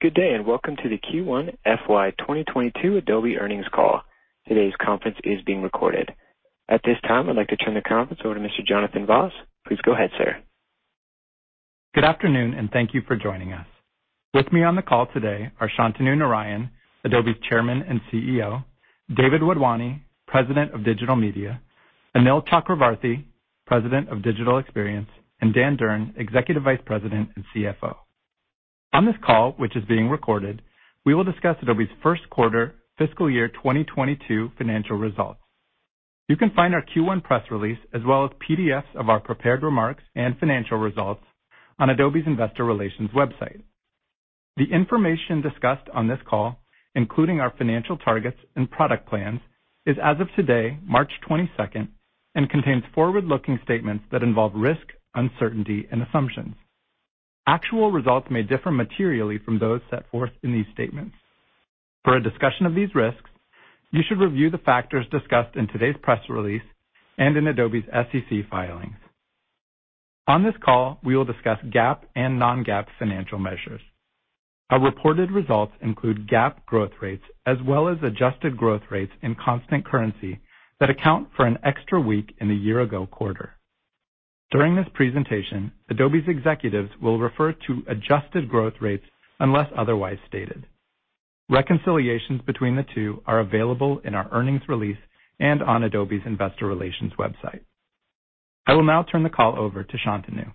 Good day, and welcome to the Q1 FY 2022 Adobe earnings call. Today's conference is being recorded. At this time, I'd like to turn the conference over to Mr. Jonathan Vaas. Please go ahead, sir. Good afternoon, and thank you for joining us. With me on the call today are Shantanu Narayen, Adobe's Chairman and CEO. David Wadhwani, President of Digital Media. Anil Chakravarthy, President of Digital Experience, and Dan Durn, Executive Vice President and CFO. On this call, which is being recorded, we will discuss Adobe's first quarter fiscal year 2022 financial results. You can find our Q1 press release as well as PDFs of our prepared remarks and financial results on Adobe's Investor Relations website. The information discussed on this call, including our financial targets and product plans, is as of today, March 22, and contains forward-looking statements that involve risk, uncertainty and assumptions. Actual results may differ materially from those set forth in these statements. For a discussion of these risks, you should review the factors discussed in today's press release and in Adobe's SEC filings. On this call, we will discuss GAAP and non-GAAP financial measures. Our reported results include GAAP growth rates as well as adjusted growth rates in constant currency that account for an extra week in the year-ago quarter. During this presentation, Adobe's executives will refer to adjusted growth rates unless otherwise stated. Reconciliations between the two are available in our earnings release and on Adobe's Investor Relations website. I will now turn the call over to Shantanu.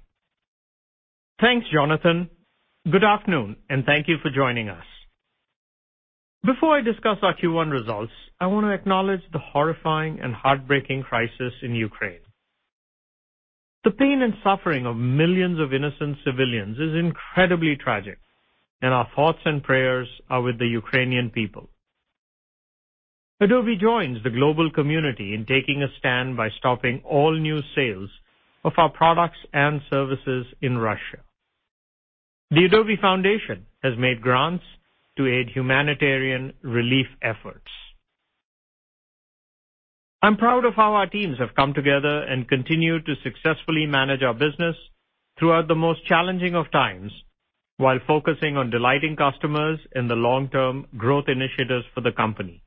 Thanks, Jonathan. Good afternoon, and thank you for joining us. Before I discuss our Q1 results, I want to acknowledge the horrifying and heartbreaking crisis in Ukraine. The pain and suffering of millions of innocent civilians is incredibly tragic, and our thoughts and prayers are with the Ukrainian people. Adobe joins the global community in taking a stand by stopping all new sales of our products and services in Russia. The Adobe Foundation has made grants to aid humanitarian relief efforts. I'm proud of how our teams have come together and continue to successfully manage our business throughout the most challenging of times, while focusing on delighting customers in the long-term growth initiatives for the company.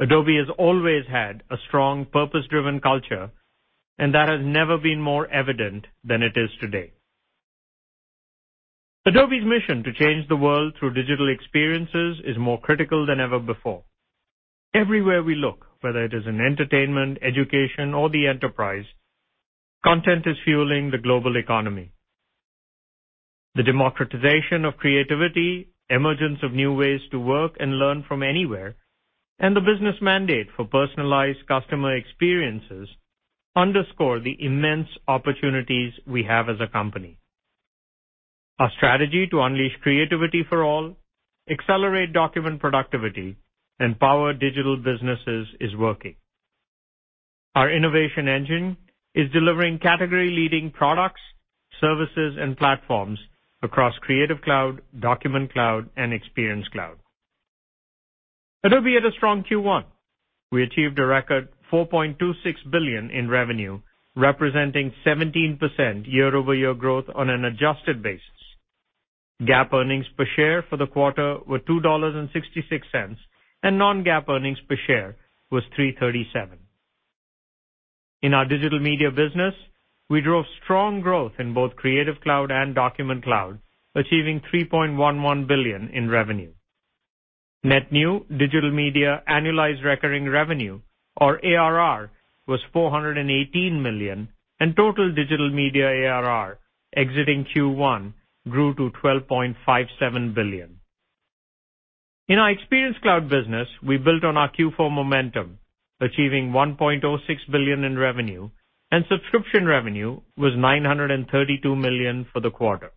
Adobe has always had a strong purpose-driven culture, and that has never been more evident than it is today. Adobe's mission to change the world through digital experiences is more critical than ever before. Everywhere we look, whether it is in entertainment, education or the enterprise, content is fueling the global economy. The democratization of creativity, emergence of new ways to work and learn from anywhere, and the business mandate for personalized customer experiences underscore the immense opportunities we have as a company. Our strategy to unleash creativity for all, accelerate document productivity, and power digital businesses is working. Our innovation engine is delivering category-leading products, services, and platforms across Creative Cloud, Document Cloud, and Experience Cloud. Adobe had a strong Q1. We achieved a record $4.26 billion in revenue, representing 17% year-over-year growth on an adjusted basis. GAAP earnings per share for the quarter were $2.66, and non-GAAP earnings per share was $3.37. In our Digital Media business, we drove strong growth in both Creative Cloud and Document Cloud, achieving $3.11 billion in revenue. Net new Digital Media annualized recurring revenue, or ARR, was $418 million, and total Digital Media ARR exiting Q1 grew to $12.57 billion. In our Experience Cloud business, we built on our Q4 momentum, achieving $1.06 billion in revenue, and subscription revenue was $932 million for the quarter.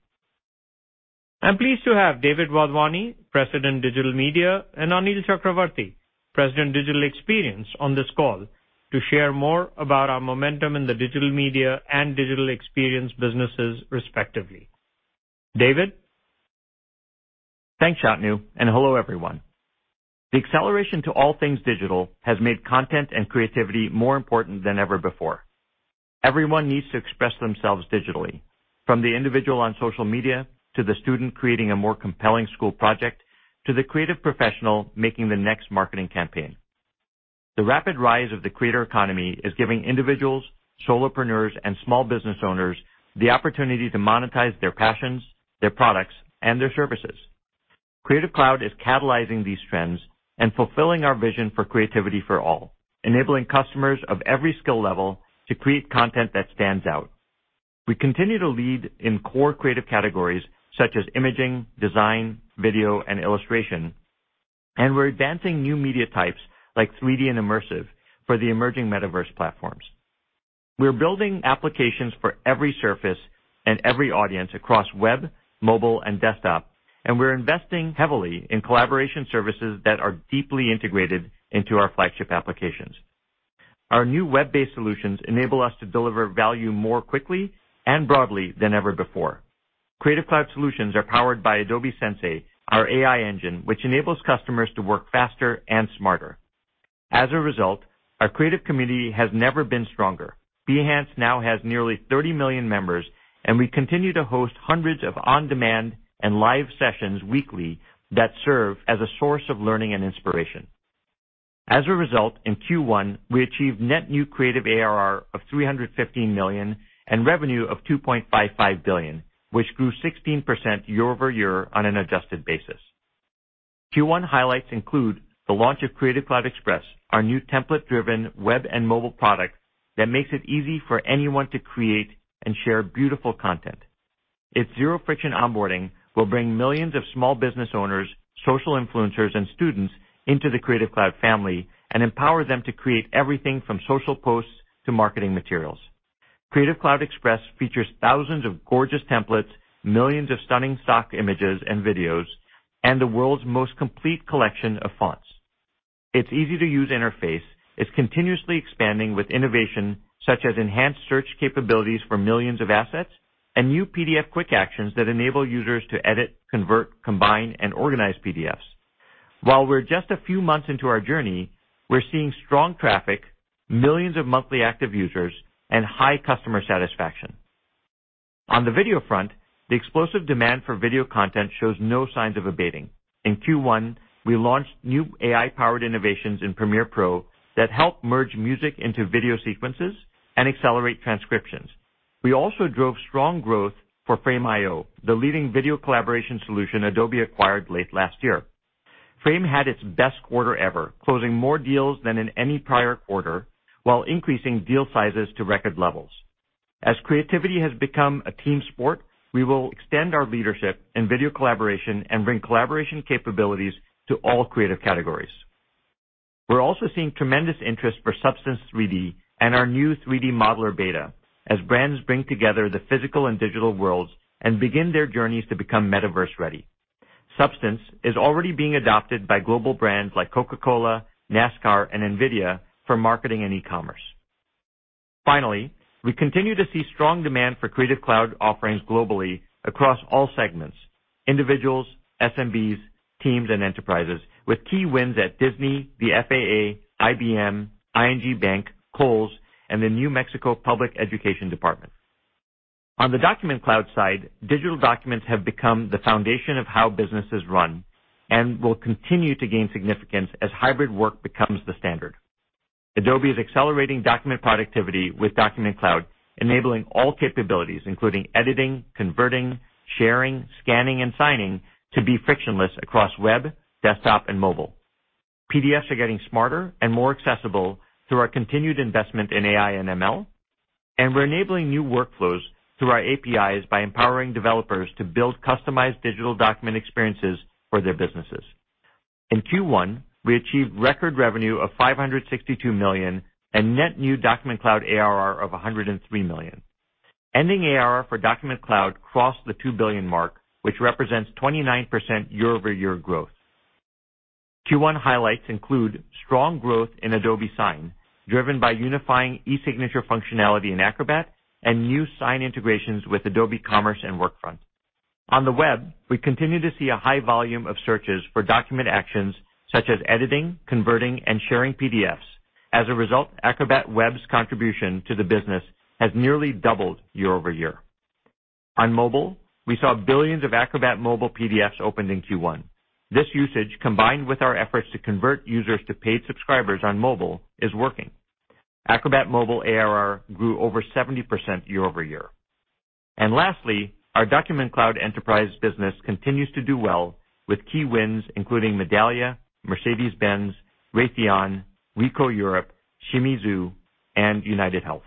I'm pleased to have David Wadhwani, President, Digital Media, and Anil Chakravarthy, President, Digital Experience, on this call to share more about our momentum in the Digital Media and digital experience businesses, respectively. David? Thanks, Shantanu, and hello, everyone. The acceleration to all things digital has made content and creativity more important than ever before. Everyone needs to express themselves digitally, from the individual on social media to the student creating a more compelling school project, to the creative professional making the next marketing campaign. The rapid rise of the creator economy is giving individuals, solopreneurs, and small business owners the opportunity to monetize their passions, their products, and their services. Creative Cloud is catalyzing these trends and fulfilling our vision for Creativity for All, enabling customers of every skill level to create content that stands out. We continue to lead in core creative categories such as imaging, design, video, and illustration, and we're advancing new media types like 3D and immersive for the emerging metaverse platforms. We're building applications for every surface and every audience across web, mobile and desktop, and we're investing heavily in collaboration services that are deeply integrated into our flagship applications. Our new web-based solutions enable us to deliver value more quickly and broadly than ever before. Creative Cloud solutions are powered by Adobe Sensei, our AI engine, which enables customers to work faster and smarter. As a result, our creative community has never been stronger. Behance now has nearly 30 million members, and we continue to host hundreds of on-demand and live sessions weekly that serve as a source of learning and inspiration. As a result, in Q1, we achieved net new Creative ARR of $315 million and revenue of $2.55 billion, which grew 16% year-over-year on an adjusted basis. Q1 highlights include the launch of Creative Cloud Express, our new template-driven web and mobile product that makes it easy for anyone to create and share beautiful content. Its zero-friction onboarding will bring millions of small business owners, social influencers, and students into the Creative Cloud family and empower them to create everything from social posts to marketing materials. Creative Cloud Express features thousands of gorgeous templates, millions of stunning stock images and videos, and the world's most complete collection of fonts. Its easy-to-use interface is continuously expanding with innovation, such as enhanced search capabilities for millions of assets and new PDF Quick Actions that enable users to edit, convert, combine, and organize PDFs. While we're just a few months into our journey, we're seeing strong traffic, millions of monthly active users, and high customer satisfaction. On the video front, the explosive demand for video content shows no signs of abating. In Q1, we launched new AI-powered innovations in Premiere Pro that help merge music into video sequences and accelerate transcriptions. We also drove strong growth for Frame.io, the leading video collaboration solution Adobe acquired late last year. Frame had its best quarter ever, closing more deals than in any prior quarter while increasing deal sizes to record levels. As creativity has become a team sport, we will extend our leadership in video collaboration and bring collaboration capabilities to all creative categories. We're also seeing tremendous interest for Substance 3D and our new 3D Modeler beta as brands bring together the physical and digital worlds and begin their journeys to become metaverse-ready. Substance is already being adopted by global brands like Coca-Cola, NASCAR, and NVIDIA for marketing and e-commerce. Finally, we continue to see strong demand for Creative Cloud offerings globally across all segments, individuals, SMBs, teams, and enterprises, with key wins at Disney, the FAA, IBM, ING Bank, Kohl's, and the New Mexico Public Education Department. On the Document Cloud side, digital documents have become the foundation of how business is run and will continue to gain significance as hybrid work becomes the standard. Adobe is accelerating document productivity with Document Cloud, enabling all capabilities, including editing, converting, sharing, scanning, and signing, to be frictionless across web, desktop, and mobile. PDFs are getting smarter and more accessible through our continued investment in AI and ML, and we're enabling new workflows through our APIs by empowering developers to build customized digital document experiences for their businesses. In Q1, we achieved record revenue of $562 million and net new Document Cloud ARR of $103 million. Ending ARR for Document Cloud crossed the $2 billion mark, which represents 29% year-over-year growth. Q1 highlights include strong growth in Adobe Sign, driven by unifying e-signature functionality in Acrobat and new Sign integrations with Adobe Commerce and Workfront. On the web, we continue to see a high volume of searches for document actions such as editing, converting, and sharing PDFs. As a result, Acrobat Web's contribution to the business has nearly doubled year-over-year. On mobile, we saw billions of Acrobat mobile PDFs opened in Q1. This usage, combined with our efforts to convert users to paid subscribers on mobile, is working. Acrobat Mobile ARR grew over 70% year-over-year. Lastly, our Document Cloud enterprise business continues to do well with key wins, including Medallia, Mercedes-Benz, Raytheon, Ricoh Europe, Shimizu, and UnitedHealth.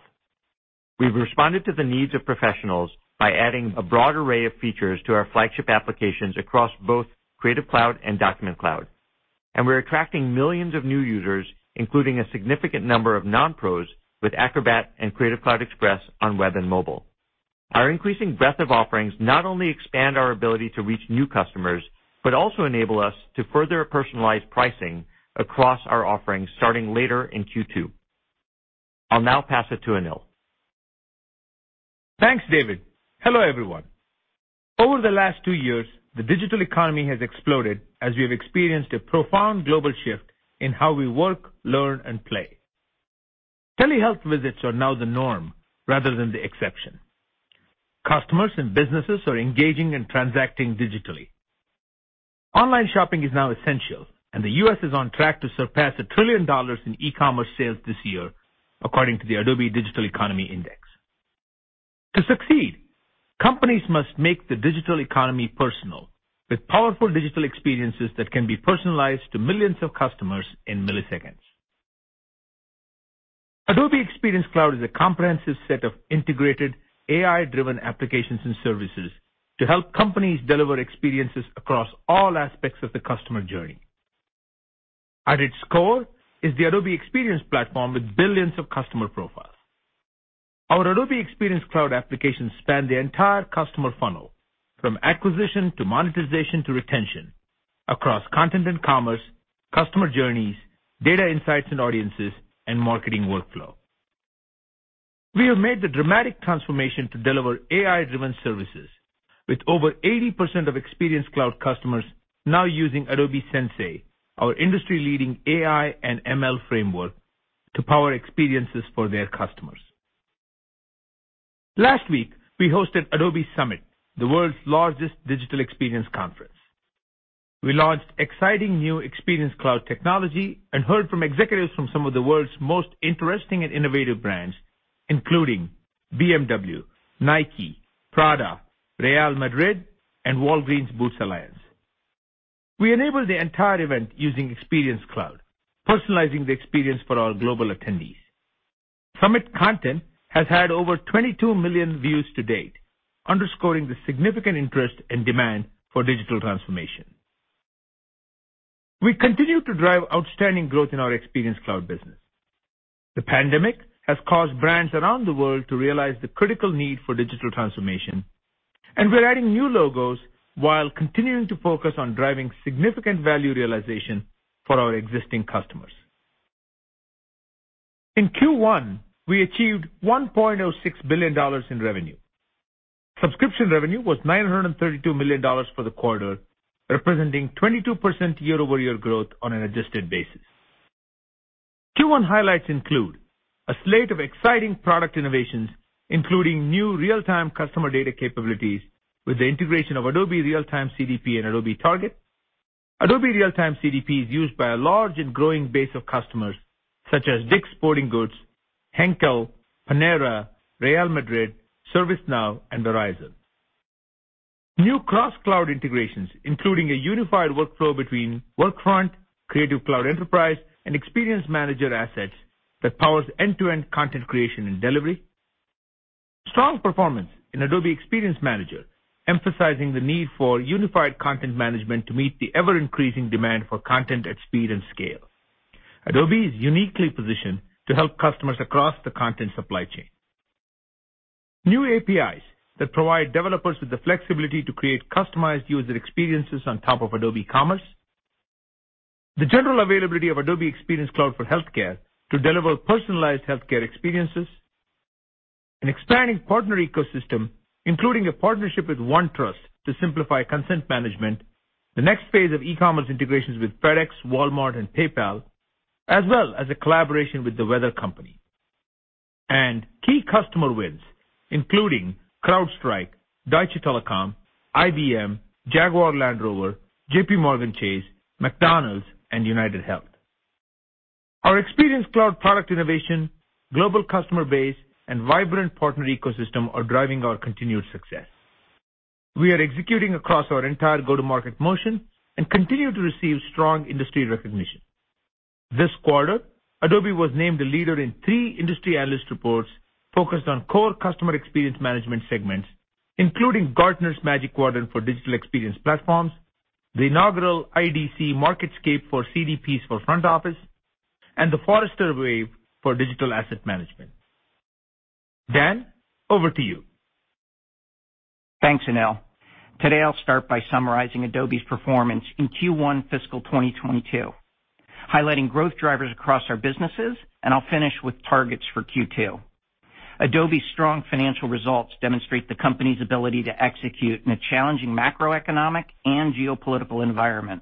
We've responded to the needs of professionals by adding a broad array of features to our flagship applications across both Creative Cloud and Document Cloud. We're attracting millions of new users, including a significant number of non-pros, with Acrobat and Creative Cloud Express on web and mobile. Our increasing breadth of offerings not only expands our ability to reach new customers, but also enable us to further personalize pricing across our offerings starting later in Q2. I'll now pass it to Anil. Thanks, David. Hello, everyone. Over the last two years, the digital economy has exploded as we have experienced a profound global shift in how we work, learn, and play. Telehealth visits are now the norm rather than the exception. Customers and businesses are engaging and transacting digitally. Online shopping is now essential, and the U.S. is on track to surpass $1 trillion in e-commerce sales this year, according to the Adobe Digital Economy Index. To succeed, companies must make the digital economy personal with powerful digital experiences that can be personalized to millions of customers in milliseconds. Adobe Experience Cloud is a comprehensive set of integrated AI-driven applications and services to help companies deliver experiences across all aspects of the customer journey. At its core is the Adobe Experience Platform with billions of customer profiles. Our Adobe Experience Cloud applications span the entire customer funnel, from acquisition to monetization to retention, across content and commerce, customer journeys, data insights and audiences, and marketing workflow. We have made the dramatic transformation to deliver AI-driven services, with over 80% of Experience Cloud customers now using Adobe Sensei, our industry-leading AI and ML framework, to power experiences for their customers. Last week, we hosted Adobe Summit, the world's largest digital experience conference. We launched exciting new Experience Cloud technology and heard from executives from some of the world's most interesting and innovative brands, including BMW, Nike, Prada, Real Madrid, and Walgreens Boots Alliance. We enabled the entire event using Experience Cloud, personalizing the experience for our global attendees. Summit content has had over 22 million views to date, underscoring the significant interest and demand for digital transformation. We continue to drive outstanding growth in our Experience Cloud business. The pandemic has caused brands around the world to realize the critical need for digital transformation, and we're adding new logos while continuing to focus on driving significant value realization for our existing customers. In Q1, we achieved $1.06 billion in revenue. Subscription revenue was $932 million for the quarter, representing 22% year-over-year growth on an adjusted basis. Q1 highlights include a slate of exciting product innovations, including new real-time customer data capabilities with the integration of Adobe Real-Time CDP and Adobe Target. Adobe Real-Time CDP is used by a large and growing base of customers, such as DICK'S Sporting Goods, Henkel, Panera, Real Madrid, ServiceNow, and Verizon. New cross-cloud integrations, including a unified workflow between Workfront, Creative Cloud for Enterprise, and Adobe Experience Manager Assets that powers end-to-end content creation and delivery. Strong performance in Adobe Experience Manager, emphasizing the need for unified content management to meet the ever-increasing demand for content at speed and scale. Adobe is uniquely positioned to help customers across the content supply chain. New APIs that provide developers with the flexibility to create customized user experiences on top of Adobe Commerce. The general availability of Adobe Experience Cloud for Healthcare to deliver personalized healthcare experiences. An expanding partner ecosystem, including a partnership with OneTrust to simplify consent management, the next phase of e-commerce integrations with FedEx, Walmart, and PayPal, as well as a collaboration with The Weather Company. Key customer wins, including CrowdStrike, Deutsche Telekom, IBM, Jaguar Land Rover, JPMorgan Chase, McDonald's, and UnitedHealth. Our Experience Cloud product innovation, global customer base, and vibrant partner ecosystem are driving our continued success. We are executing across our entire go-to-market motion and continue to receive strong industry recognition. This quarter, Adobe was named a leader in three industry analyst reports focused on core customer experience management segments, including Gartner's Magic Quadrant for Digital Experience Platforms, the inaugural IDC MarketScape for CDPs for Front Office, and the Forrester Wave for Digital Asset Management. Dan, over to you. Thanks, Anil. Today, I'll start by summarizing Adobe's performance in Q1 fiscal 2022, highlighting growth drivers across our businesses, and I'll finish with targets for Q2. Adobe's strong financial results demonstrate the company's ability to execute in a challenging macroeconomic and geopolitical environment.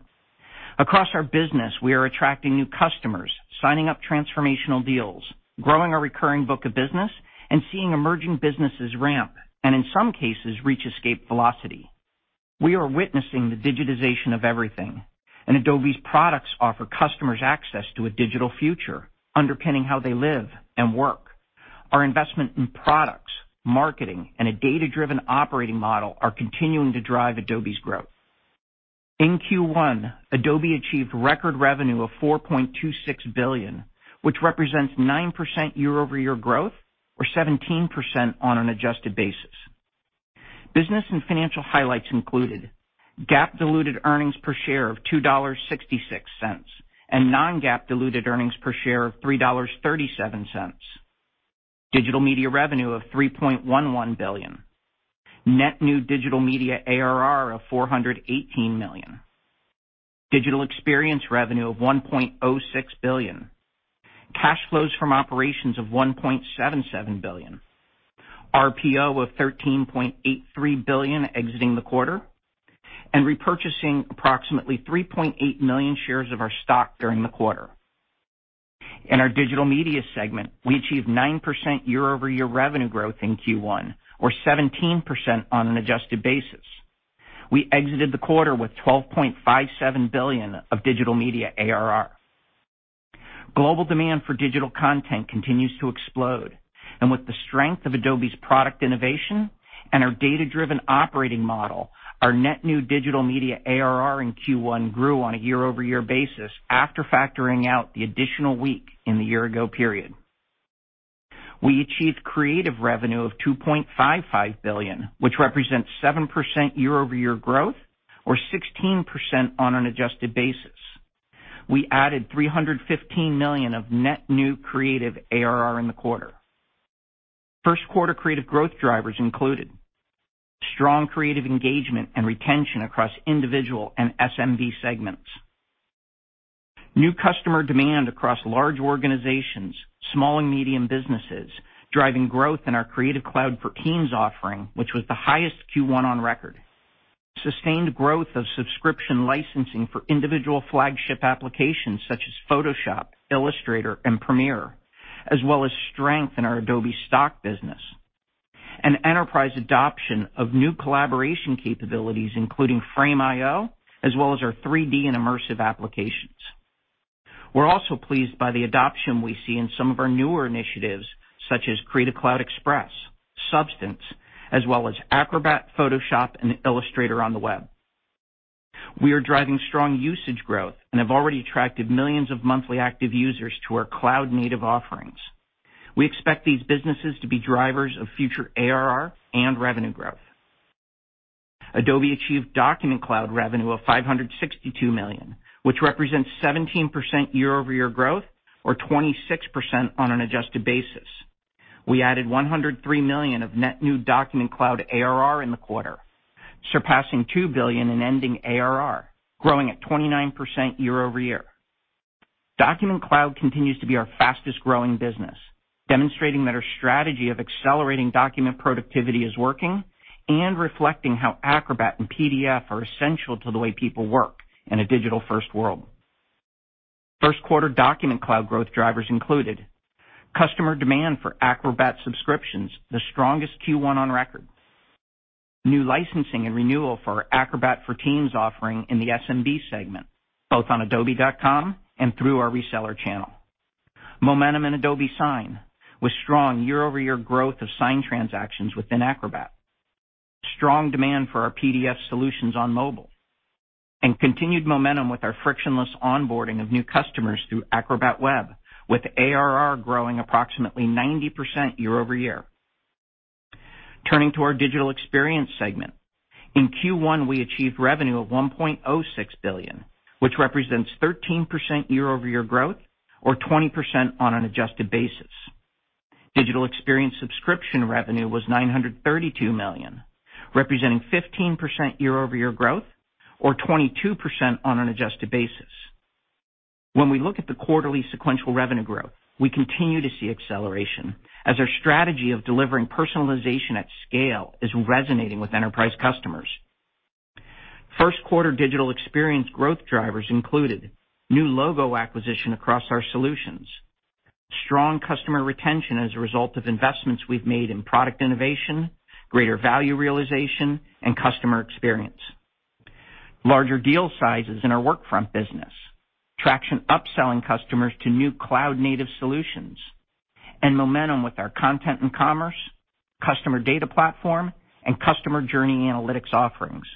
Across our business, we are attracting new customers, signing up transformational deals, growing our recurring book of business, and seeing emerging businesses ramp, and in some cases, reach escape velocity. We are witnessing the digitization of everything, and Adobe's products offer customers access to a digital future underpinning how they live and work. Our investment in products, marketing, and a data-driven operating model are continuing to drive Adobe's growth. In Q1, Adobe achieved record revenue of $4.26 billion, which represents 9% year-over-year growth or 17% on an adjusted basis. Business and financial highlights included GAAP diluted earnings per share of $2.66 and non-GAAP diluted earnings per share of $3.37. Digital Media revenue of $3.11 billion. Net new Digital Media ARR of $418 million. Digital Experience revenue of $1.06 billion. Cash flows from operations of $1.77 billion. RPO of $13.83 billion exiting the quarter. Repurchasing approximately 3.8 million shares of our stock during the quarter. In our Digital Media segment, we achieved 9% year-over-year revenue growth in Q1 or 17% on an adjusted basis. We exited the quarter with $12.57 billion of Digital Media ARR. Global demand for digital content continues to explode. With the strength of Adobe's product innovation and our data-driven operating model, our net new Digital Media ARR in Q1 grew on a year-over-year basis after factoring out the additional week in the year-ago period. We achieved Creative revenue of $2.55 billion, which represents 7% year-over-year growth or 16% on an adjusted basis. We added $315 million of net new Creative ARR in the quarter. First-quarter Creative growth drivers included strong creative engagement and retention across individual and SMB segments, new customer demand across large organizations, small and medium businesses, driving growth in our Creative Cloud for Teams offering, which was the highest Q1 on record. Sustained growth of subscription licensing for individual flagship applications such as Photoshop, Illustrator, and Premiere, as well as strength in our Adobe Stock business. Enterprise adoption of new collaboration capabilities, including Frame.io, as well as our 3D and immersive applications. We're also pleased by the adoption we see in some of our newer initiatives, such as Creative Cloud Express, Substance, as well as Acrobat, Photoshop, and Illustrator on the web. We are driving strong usage growth and have already attracted millions of monthly active users to our cloud-native offerings. We expect these businesses to be drivers of future ARR and revenue growth. Adobe achieved Document Cloud revenue of $562 million, which represents 17% year-over-year growth, or 26% on an adjusted basis. We added $103 million of net new Document Cloud ARR in the quarter, surpassing $2 billion in ending ARR, growing at 29% year-over-year. Document Cloud continues to be our fastest-growing business, demonstrating that our strategy of accelerating document productivity is working and reflecting how Acrobat and PDF are essential to the way people work in a digital-first world. First quarter Document Cloud growth drivers included customer demand for Acrobat subscriptions, the strongest Q1 on record. New licensing and renewal for our Acrobat for Teams offering in the SMB segment, both on adobe.com and through our reseller channel. Momentum in Adobe Sign was strong year-over-year growth of Sign transactions within Acrobat. Strong demand for our PDF solutions on mobile, and continued momentum with our frictionless onboarding of new customers through Acrobat Web, with ARR growing approximately 90% year-over-year. Turning to our Digital Experience segment. In Q1, we achieved revenue of $1.06 billion, which represents 13% year-over-year growth, or 20% on an adjusted basis. Digital Experience subscription revenue was $932 million, representing 15% year-over-year growth or 22% on an adjusted basis. When we look at the quarterly sequential revenue growth, we continue to see acceleration as our strategy of delivering personalization at scale is resonating with enterprise customers. First quarter Digital Experience growth drivers included new logo acquisition across our solutions, strong customer retention as a result of investments we've made in product innovation, greater value realization, and customer experience, larger deal sizes in our Workfront business, traction upselling customers to new cloud-native solutions, and momentum with our Content & Commerce, Customer Data Platform (CDP), and Customer Journey Analytics offerings.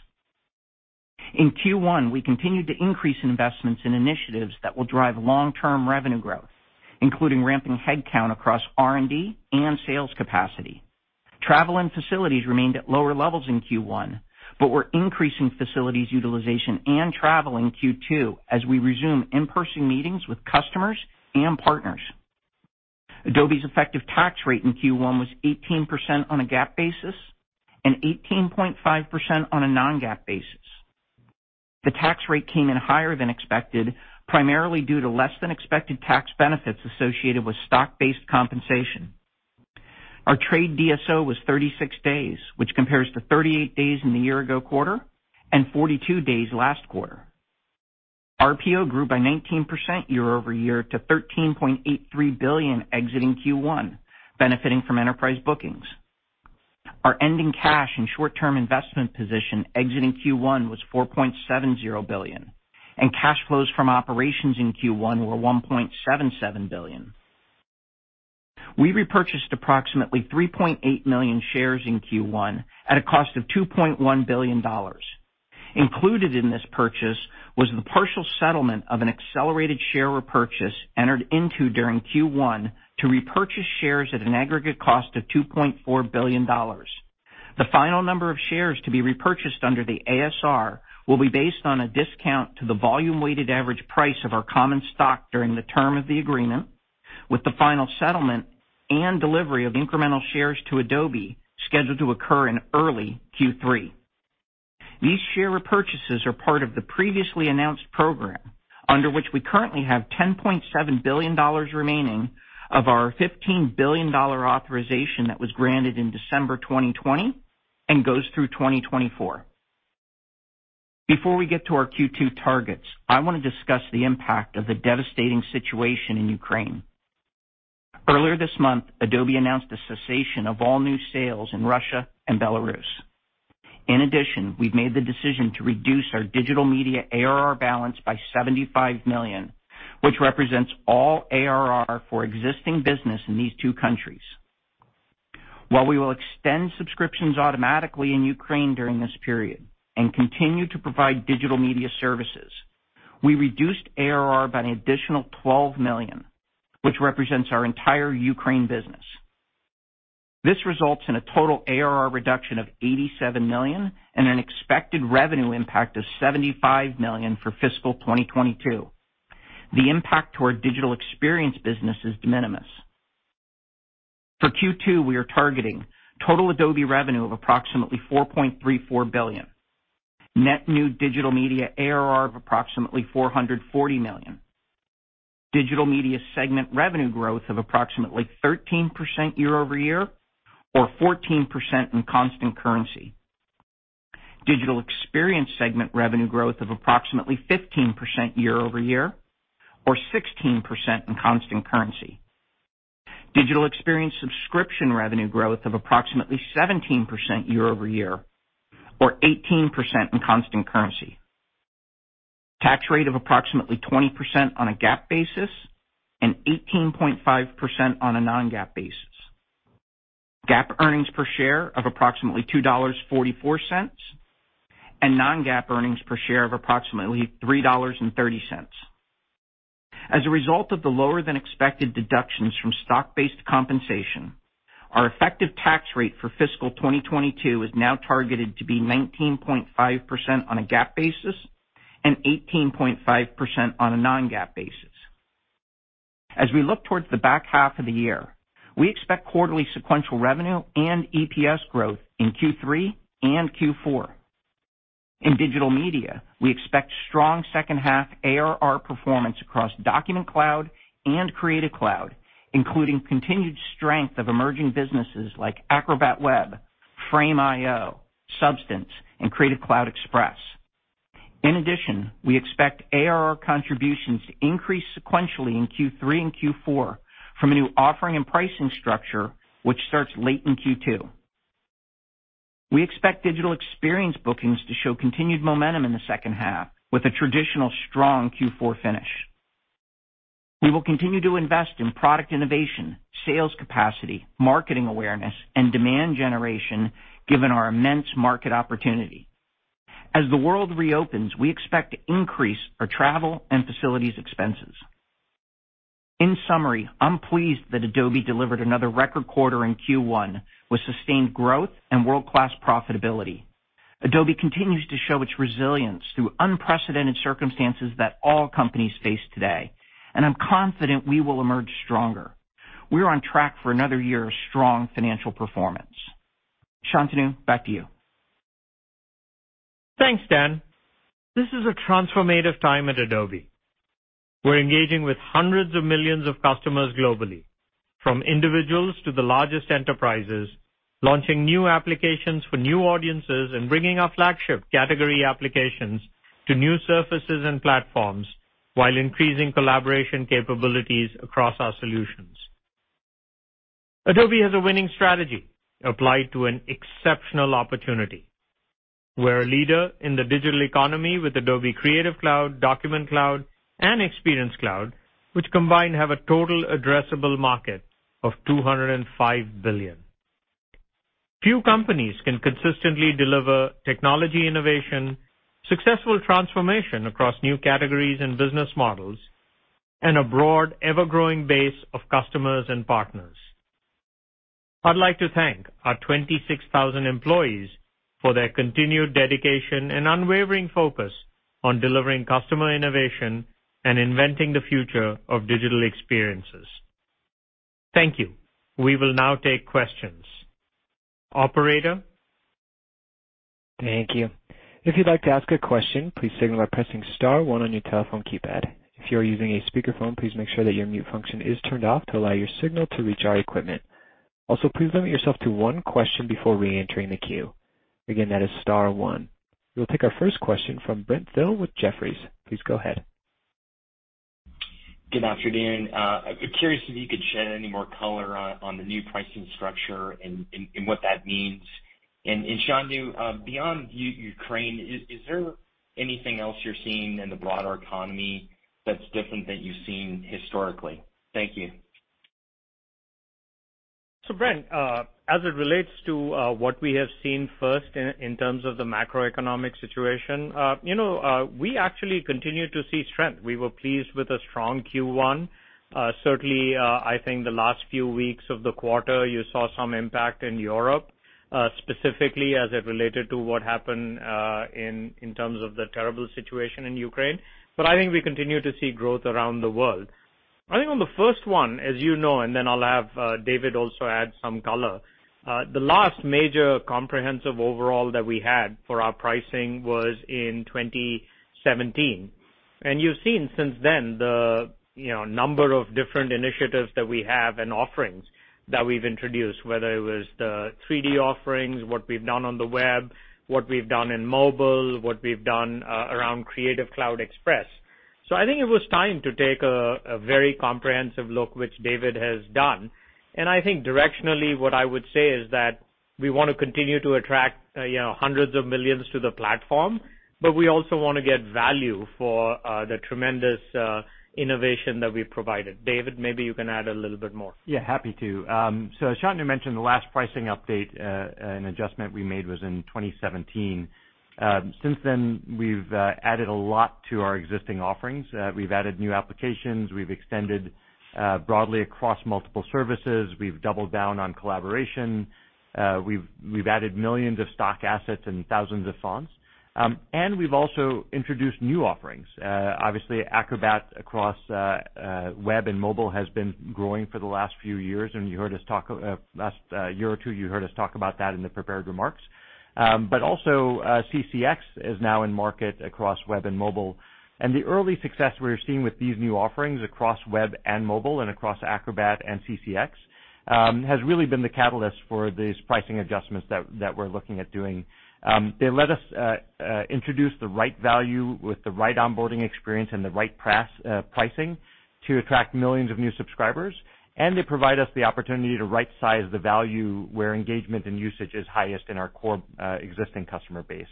In Q1, we continued to increase investments in initiatives that will drive long-term revenue growth, including ramping headcount across R&D and sales capacity. Travel and facilities remained at lower levels in Q1, but we're increasing facilities utilization and travel in Q2 as we resume in-person meetings with customers and partners. Adobe's effective tax rate in Q1 was 18% on a GAAP basis and 18.5% on a non-GAAP basis. The tax rate came in higher than expected, primarily due to less-than-expected tax benefits associated with stock-based compensation. Our trade DSO was 36 days, which compares to 38 days in the year-ago quarter and 42 days last quarter. RPO grew by 19% year-over-year to $13.83 billion exiting Q1, benefiting from enterprise bookings. Our ending cash and short-term investment position exiting Q1 was $4.70 billion, and cash flows from operations in Q1 were $1.77 billion. We repurchased approximately 3.8 million shares in Q1 at a cost of $2.1 billion. Included in this purchase was the partial settlement of an accelerated share repurchase entered into during Q1 to repurchase shares at an aggregate cost of $2.4 billion. The final number of shares to be repurchased under the ASR will be based on a discount to the volume-weighted average price of our common stock during the term of the agreement, with the final settlement and delivery of incremental shares to Adobe scheduled to occur in early Q3. These share repurchases are part of the previously announced program, under which we currently have $10.7 billion remaining of our $15 billion authorization that was granted in December 2020 and goes through 2024. Before we get to our Q2 targets, I want to discuss the impact of the devastating situation in Ukraine. Earlier this month, Adobe announced the cessation of all new sales in Russia and Belarus. In addition, we've made the decision to reduce our Digital Media ARR balance by $75 million, which represents all ARR for existing business in these two countries. While we will extend subscriptions automatically in Ukraine during this period and continue to provide Digital Media services, we reduced ARR by an additional $12 million, which represents our entire Ukraine business. This results in a total ARR reduction of $87 million and an expected revenue impact of $75 million for fiscal 2022. The impact to our Digital Experience business is de minimis. For Q2, we are targeting total Adobe revenue of approximately $4.34 billion, net new Digital Media ARR of approximately $440 million. Digital Media segment revenue growth of approximately 13% year-over-year or 14% in constant currency. Digital Experience segment revenue growth of approximately 15% year-over-year or 16% in constant currency. Digital Experience subscription revenue growth of approximately 17% year-over-year or 18% in constant currency. Tax rate of approximately 20% on a GAAP basis and 18.5% on a non-GAAP basis. GAAP earnings per share of approximately $2.44, and non-GAAP earnings per share of approximately $3.30. As a result of the lower-than-expected deductions from stock-based compensation, our effective tax rate for fiscal 2022 is now targeted to be 19.5% on a GAAP basis and 18.5% on a non-GAAP basis. As we look towards the back half of the year, we expect quarterly sequential revenue and EPS growth in Q3 and Q4. In Digital Media, we expect strong second half ARR performance across Document Cloud and Creative Cloud, including continued strength of emerging businesses like Acrobat Web, Frame.io, Substance and Creative Cloud Express. In addition, we expect ARR contributions to increase sequentially in Q3 and Q4 from a new offering and pricing structure which starts late in Q2. We expect Digital Experience bookings to show continued momentum in the second half with a traditional strong Q4 finish. We will continue to invest in product innovation, sales capacity, marketing awareness, and demand generation given our immense market opportunity. As the world reopens, we expect to increase our travel and facilities expenses. In summary, I'm pleased that Adobe delivered another record quarter in Q1 with sustained growth and world-class profitability. Adobe continues to show its resilience through unprecedented circumstances that all companies face today, and I'm confident we will emerge stronger. We're on track for another year of strong financial performance. Shantanu, back to you. Thanks, Dan. This is a transformative time at Adobe. We're engaging with hundreds of millions of customers globally, from individuals to the largest enterprises, launching new applications for new audiences and bringing our flagship category applications to new surfaces and platforms, while increasing collaboration capabilities across our solutions. Adobe has a winning strategy applied to an exceptional opportunity. We're a leader in the digital economy with Adobe Creative Cloud, Document Cloud, and Experience Cloud, which combined have a total addressable market of $205 billion. Few companies can consistently deliver technology innovation, successful transformation across new categories and business models, and a broad ever-growing base of customers and partners. I'd like to thank our 26,000 employees for their continued dedication and unwavering focus on delivering customer innovation and inventing the future of digital experiences. Thank you. We will now take questions. Operator? Thank you. If you'd like to ask a question, please signal by pressing star one on your telephone keypad. If you are using a speakerphone, please make sure that your mute function is turned off to allow your signal to reach our equipment. Also, please limit yourself to one question before reentering the queue. Again, that is star one. We will take our first question from Brent Thill with Jefferies. Please go ahead. Good afternoon. I'm curious if you could shed any more color on the new pricing structure and what that means. Shantanu, beyond Ukraine, is there anything else you're seeing in the broader economy that's different that you've seen historically? Thank you. Brent, as it relates to what we have seen first in terms of the macroeconomic situation, you know, we actually continue to see strength. We were pleased with a strong Q1. Certainly, I think the last few weeks of the quarter, you saw some impact in Europe, specifically as it related to what happened in terms of the terrible situation in Ukraine. I think we continue to see growth around the world. I think on the first one, as you know, and then I'll have David also add some color. The last major comprehensive overhaul that we had for our pricing was in 2017. You've seen since then the, you know, number of different initiatives that we have and offerings that we've introduced, whether it was the 3D offerings, what we've done on the web, what we've done in mobile, what we've done around Creative Cloud Express. I think it was time to take a very comprehensive look, which David has done. I think directionally, what I would say is that we wanna continue to attract, you know, hundreds of millions to the platform, but we also wanna get value for the tremendous innovation that we've provided. David, maybe you can add a little bit more. Yeah, happy to. As Shantanu mentioned, the last pricing update and adjustment we made was in 2017. Since then, we've added a lot to our existing offerings. We've added new applications. We've extended broadly across multiple services. We've doubled down on collaboration. We've added millions of stock assets and thousands of fonts. And we've also introduced new offerings. Obviously, Acrobat across web and mobile has been growing for the last few years, and you heard us talk about that last year or two in the prepared remarks. CCX is now in market across web and mobile. The early success we're seeing with these new offerings across web and mobile and across Acrobat and CCX has really been the catalyst for these pricing adjustments that we're looking at doing. They let us introduce the right value with the right onboarding experience and the right pricing to attract millions of new subscribers, and they provide us the opportunity to rightsize the value where engagement and usage is highest in our core existing customer base.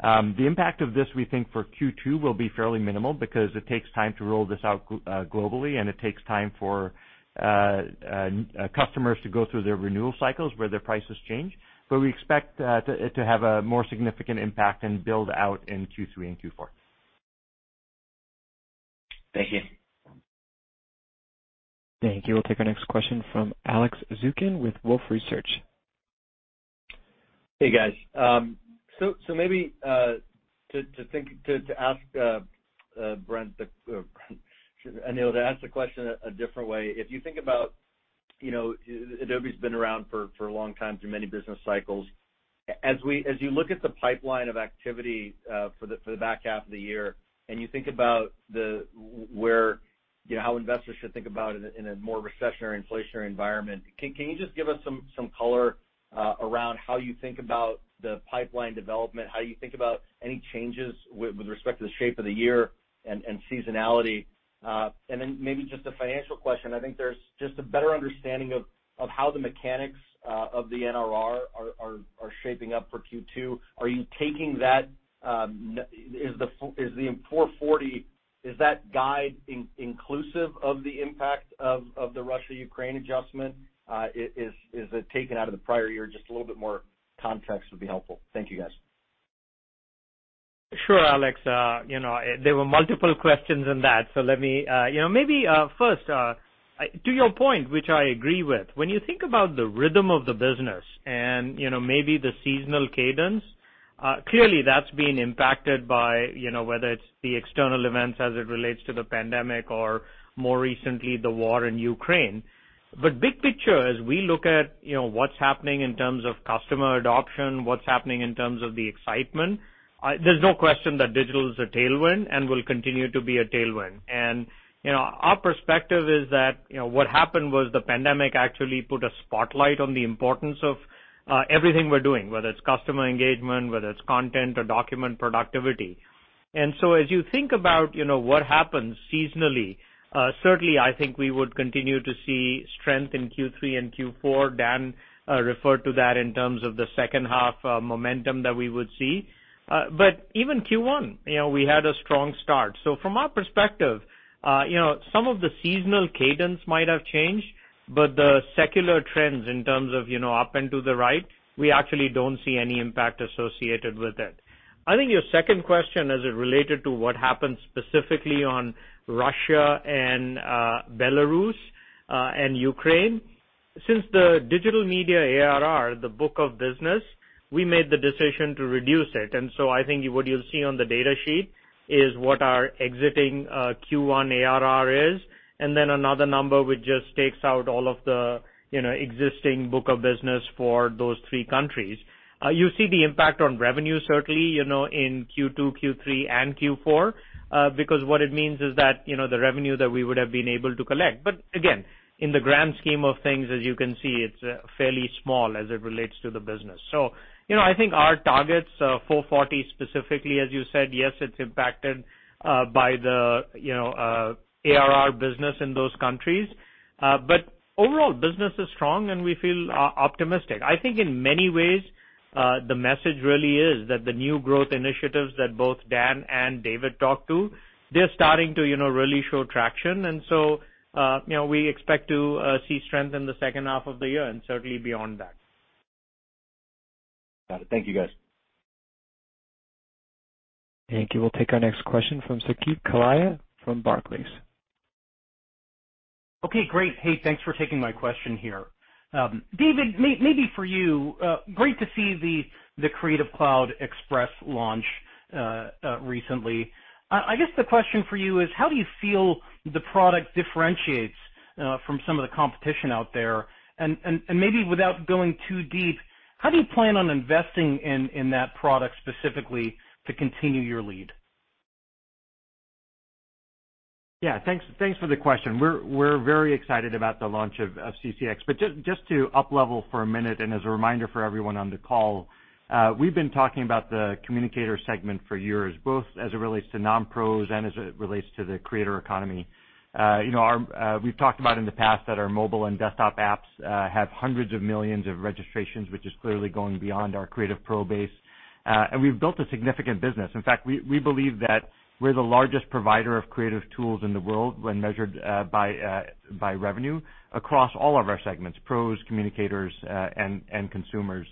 The impact of this, we think for Q2 will be fairly minimal because it takes time to roll this out globally, and it takes time for customers to go through their renewal cycles where their prices change. We expect to have a more significant impact and build out in Q3 and Q4. Thank you. Thank you. We'll take our next question from Alex Zukin with Wolfe Research. Hey, guys. Maybe to ask Brent, then Anil, to ask the question a different way. If you think about, you know, Adobe's been around for a long time through many business cycles. As you look at the pipeline of activity for the back half of the year, and you think about where, you know, how investors should think about in a more recessionary, inflationary environment, can you just give us some color around how you think about the pipeline development? How you think about any changes with respect to the shape of the year and seasonality? Then maybe just a financial question. I think there's just a better understanding of how the mechanics of the NRR are shaping up for Q2. Are you taking that? Is the $440 guide inclusive of the impact of the Russia-Ukraine adjustment? Is it taken out of the prior year? Just a little bit more context would be helpful. Thank you, guys. Sure, Alex. You know, there were multiple questions in that, so let me. You know, maybe first, to your point, which I agree with, when you think about the rhythm of the business and, you know, maybe the seasonal cadence, clearly that's been impacted by, you know, whether it's the external events as it relates to the pandemic or more recently, the war in Ukraine. Big picture, as we look at, you know, what's happening in terms of customer adoption, what's happening in terms of the excitement, there's no question that digital is a tailwind and will continue to be a tailwind. Our perspective is that, you know, what happened was the pandemic actually put a spotlight on the importance of everything we're doing, whether it's customer engagement, whether it's content or document productivity. As you think about, you know, what happens seasonally, certainly I think we would continue to see strength in Q3 and Q4. Dan referred to that in terms of the second half momentum that we would see. Even Q1, you know, we had a strong start. From our perspective, you know, some of the seasonal cadence might have changed, but the secular trends in terms of, you know, up and to the right, we actually don't see any impact associated with it. I think your second question, as it related to what happened specifically on Russia and Belarus and Ukraine, since the Digital Media ARR, the book of business, we made the decision to reduce it. I think what you'll see on the data sheet is what our exiting Q1 ARR is, and then another number which just takes out all of the, you know, existing book of business for those three countries. You see the impact on revenue, certainly, you know, in Q2, Q3, and Q4, because what it means is that, you know, the revenue that we would have been able to collect. Again, in the grand scheme of things, as you can see, it's fairly small as it relates to the business. You know, I think our targets, $440 specifically, as you said, yes, it's impacted by the, you know, ARR business in those countries. Overall, business is strong, and we feel optimistic. I think in many ways, the message really is that the new growth initiatives that both Dan and David talked to, they're starting to, you know, really show traction. You know, we expect to see strength in the second half of the year and certainly beyond that. Got it. Thank you, guys. Thank you. We'll take our next question from Saket Kalia from Barclays. Okay, great. Hey, thanks for taking my question here. David, maybe for you, great to see the Creative Cloud Express launch recently. I guess the question for you is, how do you feel the product differentiates from some of the competition out there? and maybe without going too deep, how do you plan on investing in that product specifically to continue your lead? Yeah. Thanks for the question. We're very excited about the launch of CCX. To up level for a minute and as a reminder for everyone on the call, we've been talking about the communicator segmentt for years, both as it relates to non-pros and as it relates to the creator economy. You know, we've talked about in the past that our mobile and desktop apps have hundreds of millions of registrations, which is clearly going beyond our creative pro base. We've built a significant business. In fact, we believe that we're the largest provider of creative tools in the world when measured by revenue across all of our segments, pros, communicators, and consumers.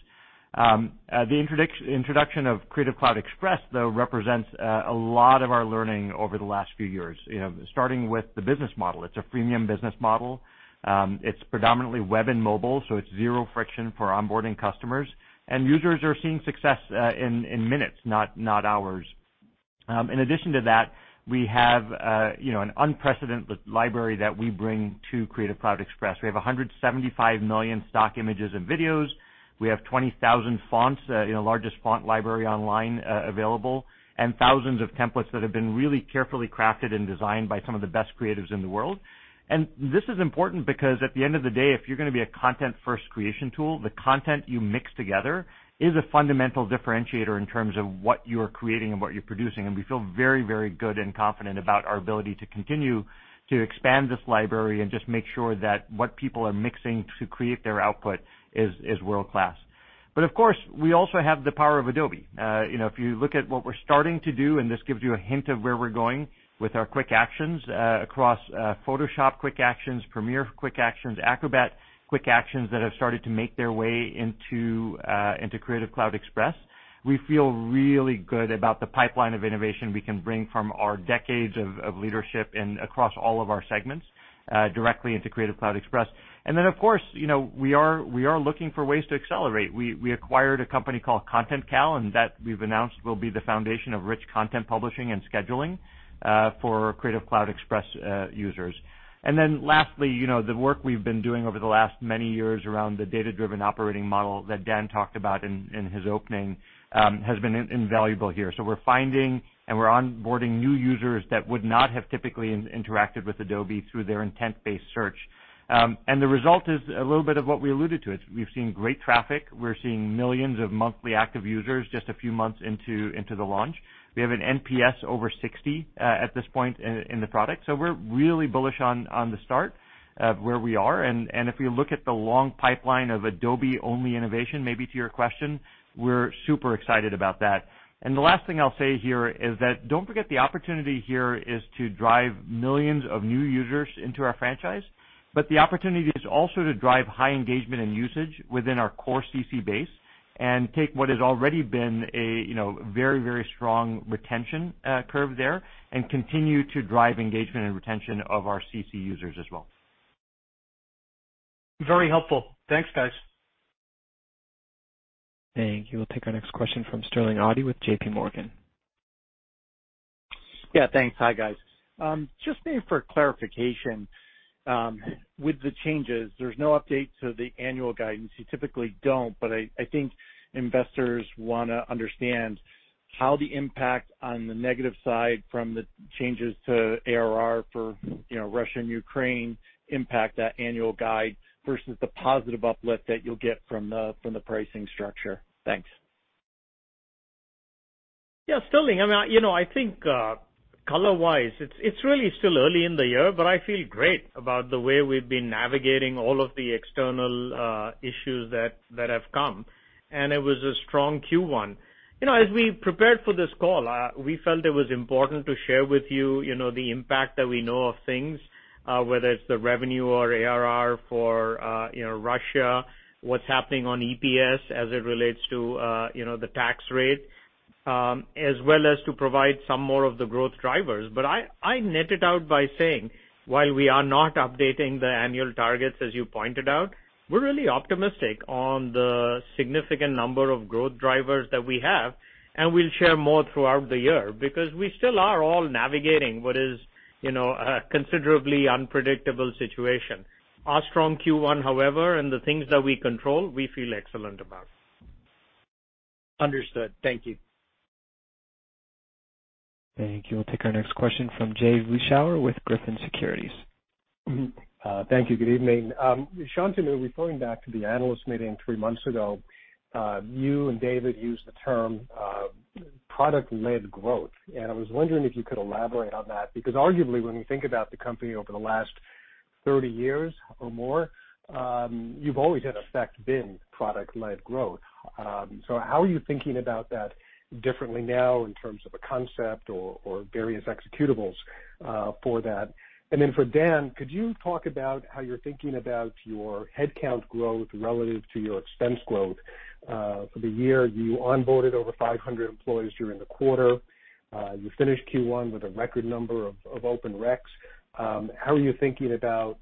The introduction of Creative Cloud Express, though, represents a lot of our learning over the last few years, you know, starting with the business model. It's a freemium business model. It's predominantly web and mobile, so it's zero friction for onboarding customers. Users are seeing success in minutes, not hours. In addition to that, we have, you know, an unprecedented library that we bring to Creative Cloud Express. We have 175 million stock images and videos. We have 20,000 fonts, you know, largest font library online, available, and thousands of templates that have been really carefully crafted and designed by some of the best creatives in the world. This is important because at the end of the day, if you're gonna be a content-first creation tool, the content you mix together is a fundamental differentiator in terms of what you're creating and what you're producing. We feel very, very good and confident about our ability to continue to expand this library and just make sure that what people are mixing to create their output is world-class. Of course, we also have the power of Adobe. You know, if you look at what we're starting to do, and this gives you a hint of where we're going with our Quick Actions across Photoshop Quick Actions, Premiere Quick Actions, Acrobat Quick Actions that have started to make their way into Creative Cloud Express, we feel really good about the pipeline of innovation we can bring from our decades of leadership across all of our segments directly into Creative Cloud Express. Then, of course, you know, we are looking for ways to accelerate. We acquired a company called ContentCal, and that we've announced will be the foundation of rich content publishing and scheduling for Creative Cloud Express users. Then lastly, you know, the work we've been doing over the last many years around the data-driven operating model that Dan talked about in his opening has been invaluable here. We're finding and we're onboarding new users that would not have typically interacted with Adobe through their intent-based search. The result is a little bit of what we alluded to. We've seen great traffic. We're seeing millions of monthly active users just a few months into the launch. We have an NPS over 60 at this point in the product. We're really bullish on the start of where we are. If you look at the long pipeline of Adobe-only innovation, maybe to your question, we're super excited about that. The last thing I'll say here is that don't forget the opportunity here is to drive millions of new users into our franchise, but the opportunity is also to drive high engagement and usage within our core CC base and take what has already been a, you know, very, very strong retention curve there and continue to drive engagement and retention of our CC users as well. Very helpful. Thanks, guys. Thank you. We'll take our next question from Sterling Auty with JPMorgan. Yeah, thanks. Hi, guys. Just maybe for clarification, with the changes, there's no update to the annual guidance. You typically don't, but I think investors wanna understand how the impact on the negative side from the changes to ARR for, you know, Russia and Ukraine impact that annual guide versus the positive uplift that you'll get from the pricing structure. Thanks. Yeah, Sterling, I mean, you know, I think color-wise, it's really still early in the year, but I feel great about the way we've been navigating all of the external issues that have come, and it was a strong Q1. You know, as we prepared for this call, we felt it was important to share with you know, the impact that we know of things, whether it's the revenue or ARR for you know, Russia, what's happening on EPS as it relates to you know, the tax rate, as well as to provide some more of the growth drivers. I net it out by saying, while we are not updating the annual targets, as you pointed out, we're really optimistic on the significant number of growth drivers that we have, and we'll share more throughout the year because we still are all navigating what is, you know, a considerably unpredictable situation. Our strong Q1, however, and the things that we control, we feel excellent about. Understood. Thank you. Thank you. We'll take our next question from Jay Vleeschhouwer with Griffin Securities. Thank you. Good evening. Shantanu, referring back to the analyst meeting three months ago, you and David used the term product-led growth, and I was wondering if you could elaborate on that. Because arguably, when you think about the company over the last 30 years or more, you've always in effect been product-led growth. How are you thinking about that differently now in terms of a concept or various executables for that? And then for Dan, could you talk about how you're thinking about your headcount growth relative to your expense growth for the year? You onboarded over 500 employees during the quarter. You finished Q1 with a record number of open recs. How are you thinking about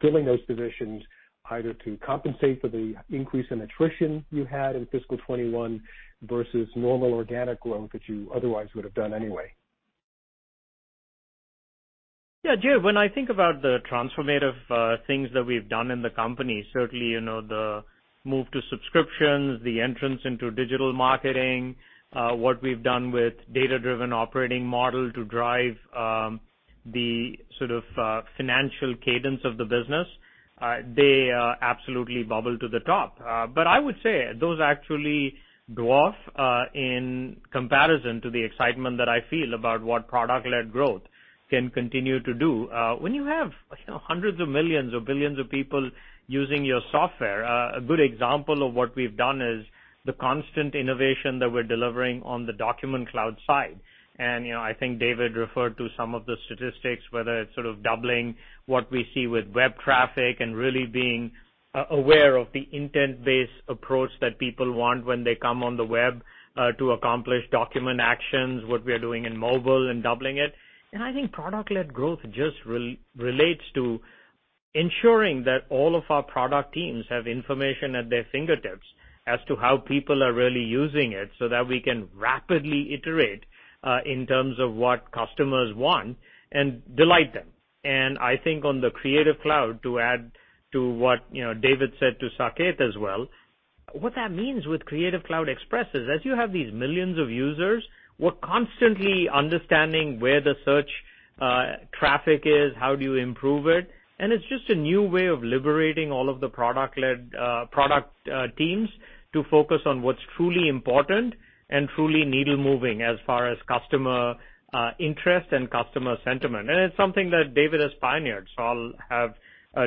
filling those positions either to compensate for the increase in attrition you had in fiscal 2021 versus normal organic growth that you otherwise would have done anyway? Yeah, Jay, when I think about the transformative things that we've done in the company, certainly, you know, the move to subscriptions, the entrance into digital marketing, what we've done with data-driven operating model to drive the sort of financial cadence of the business, they absolutely bubble to the top. I would say those actually dwarf in comparison to the excitement that I feel about what product-led growth can continue to do when you have, you know, hundreds of millions or billions of people using your software. A good example of what we've done is the constant innovation that we're delivering on the Document Cloud side. You know, I think David referred to some of the statistics, whether it's sort of doubling what we see with web traffic and really being aware of the intent-based approach that people want when they come on the web, to accomplish document actions, what we are doing in mobile and doubling it. I think product-led growth just relates to Ensuring that all of our product teams have information at their fingertips as to how people are really using it so that we can rapidly iterate in terms of what customers want and delight them. I think on the Creative Cloud, to add to what, you know, David said to Saket as well, what that means with Creative Cloud Express is as you have these millions of users, we're constantly understanding where the search traffic is, how do you improve it. It's just a new way of liberating all of the product-led product teams to focus on what's truly important and truly needle-moving as far as customer interest and customer sentiment. It's something that David has pioneered, so I'll have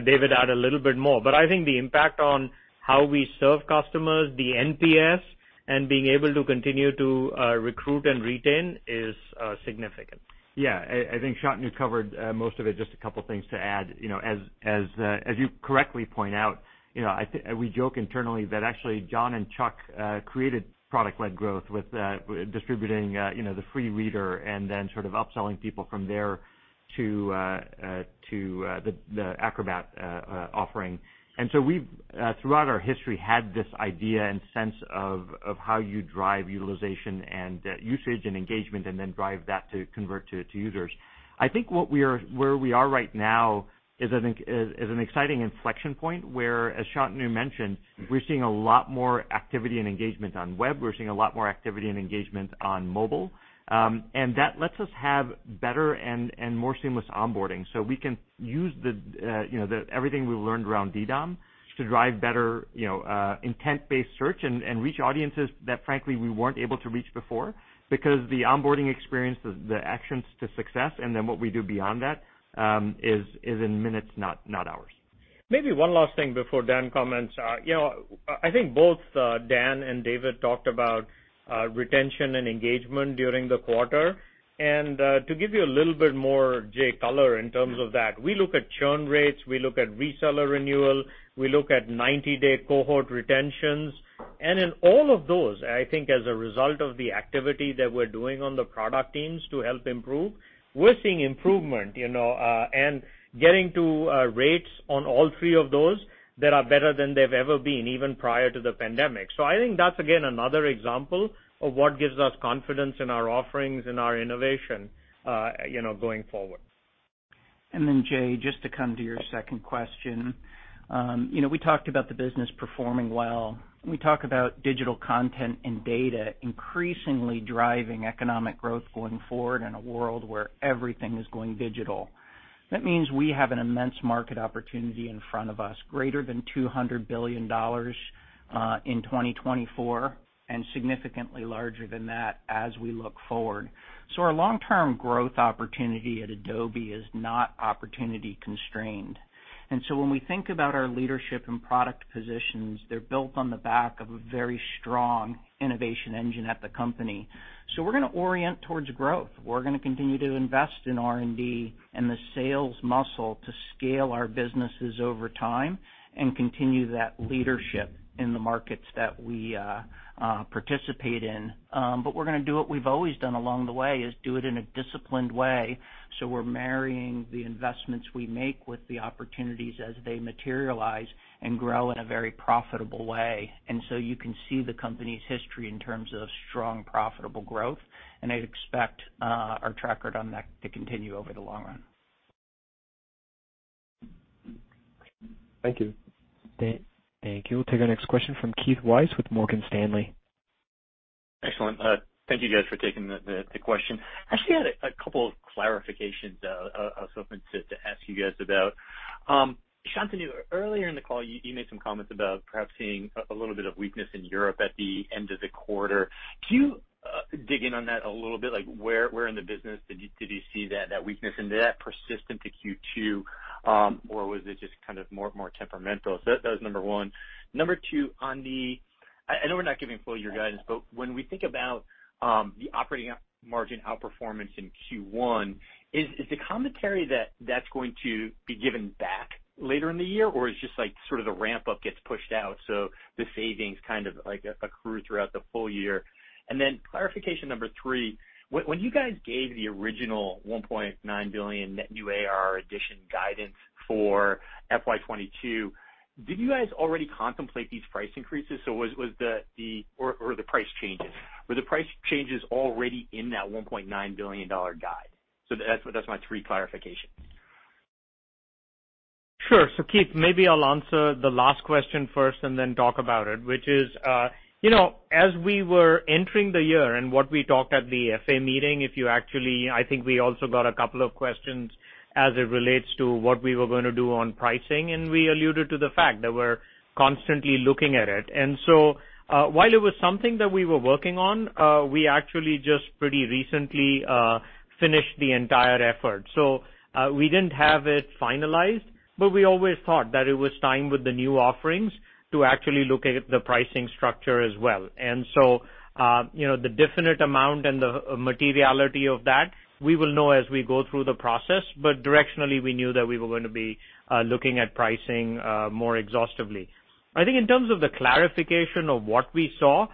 David add a little bit more. I think the impact on how we serve customers, the NPS, and being able to continue to recruit and retain is significant. Yeah, I think Shantanu covered most of it. Just a couple things to add. You know, as you correctly point out, you know, we joke internally that actually John and Chuck created product-led growth with distributing you know the free reader and then sort of upselling people from there to the Acrobat offering. We've throughout our history had this idea and sense of how you drive utilization and usage and engagement, and then drive that to convert to users. I think what we are where we are right now is an exciting inflection point where, as Shantanu mentioned, we're seeing a lot more activity and engagement on web. We're seeing a lot more activity and engagement on mobile, and that lets us have better and more seamless onboarding. We can use you know, everything we've learned around DDOM to drive better you know, intent-based search and reach audiences that frankly we weren't able to reach before because the onboarding experience, the actions to success and then what we do beyond that is in minutes, not hours. Maybe one last thing before Dan comments. You know, I think both Dan and David talked about retention and engagement during the quarter. To give you a little bit more, Jay, color in terms of that, we look at churn rates, we look at reseller renewal, we look at 90-day cohort retentions. In all of those, I think as a result of the activity that we're doing on the product teams to help improve, we're seeing improvement, you know, and getting to rates on all three of those that are better than they've ever been, even prior to the pandemic. I think that's again another example of what gives us confidence in our offerings and our innovation, you know, going forward. Then Jay, just to come to your second question, you know, we talked about the business performing well, and we talk about digital content and data increasingly driving economic growth going forward in a world where everything is going digital. That means we have an immense market opportunity in front of us, greater than $200 billion in 2024, and significantly larger than that as we look forward. Our long-term growth opportunity at Adobe is not opportunity constrained. When we think about our leadership and product positions, they're built on the back of a very strong innovation engine at the company. We're gonna orient towards growth. We're gonna continue to invest in R&D and the sales muscle to scale our businesses over time and continue that leadership in the markets that we participate in. We're gonna do what we've always done along the way, is do it in a disciplined way, so we're marrying the investments we make with the opportunities as they materialize and grow in a very profitable way. You can see the company's history in terms of strong, profitable growth, and I'd expect our track record on that to continue over the long run. Thank you. Thank you. We'll take our next question from Keith Weiss with Morgan Stanley. Excellent. Thank you guys for taking the question. Actually had a couple of clarifications I was hoping to ask you guys about. Shantanu, earlier in the call you made some comments about perhaps seeing a little bit of weakness in Europe at the end of the quarter. Can you dig in on that a little bit? Like, where in the business did you see that weakness, and did that persist into Q2, or was it just kind of more temperamental? That was number one. Number two, on the... I know we're not giving full year guidance, but when we think about the operating margin outperformance in Q1, is the commentary that that's going to be given back later in the year, or is just like sort of the ramp up gets pushed out, so the savings kind of like accrue throughout the full year? Clarification number three. When you guys gave the original $1.9 billion net new ARR addition guidance for FY 2022, did you guys already contemplate these price increases? Were the price changes already in that $1.9 billion guide? That's my three clarifications. Sure. Keith, maybe I'll answer the last question first and then talk about it, which is, you know, as we were entering the year and what we talked at the FA meeting, if you actually, I think we also got a couple of questions as it relates to what we were gonna do on pricing, and we alluded to the fact that we're constantly looking at it. While it was something that we were working on, we actually just pretty recently finished the entire effort. We didn't have it finalized, but we always thought that it was time with the new offerings to actually look at the pricing structure as well. You know, the definite amount and the materiality of that, we will know as we go through the process, but directionally, we knew that we were going to be looking at pricing more exhaustively. I think in terms of the clarification of what we saw.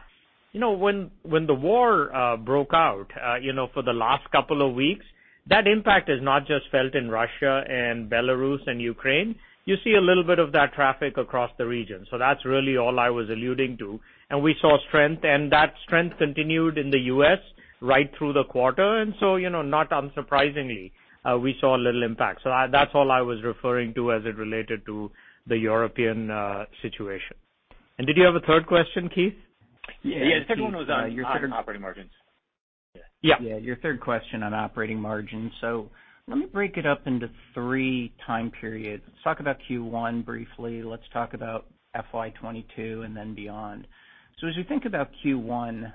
You know, when the war broke out, you know, for the last couple of weeks, that impact is not just felt in Russia and Belarus and Ukraine. You see a little bit of that traffic across the region. So that's really all I was alluding to. We saw strength, and that strength continued in the U.S. right through the quarter. You know, not unsurprisingly, we saw little impact. So that's all I was referring to as it related to the European situation. Did you have a third question, Keith? Yeah. Yeah, the second one was on operating margins. Yeah. Yeah, your third question on operating margins. Let me break it up into three time periods. Let's talk about Q1 briefly, let's talk about FY 2022, and then beyond. As we think about Q1,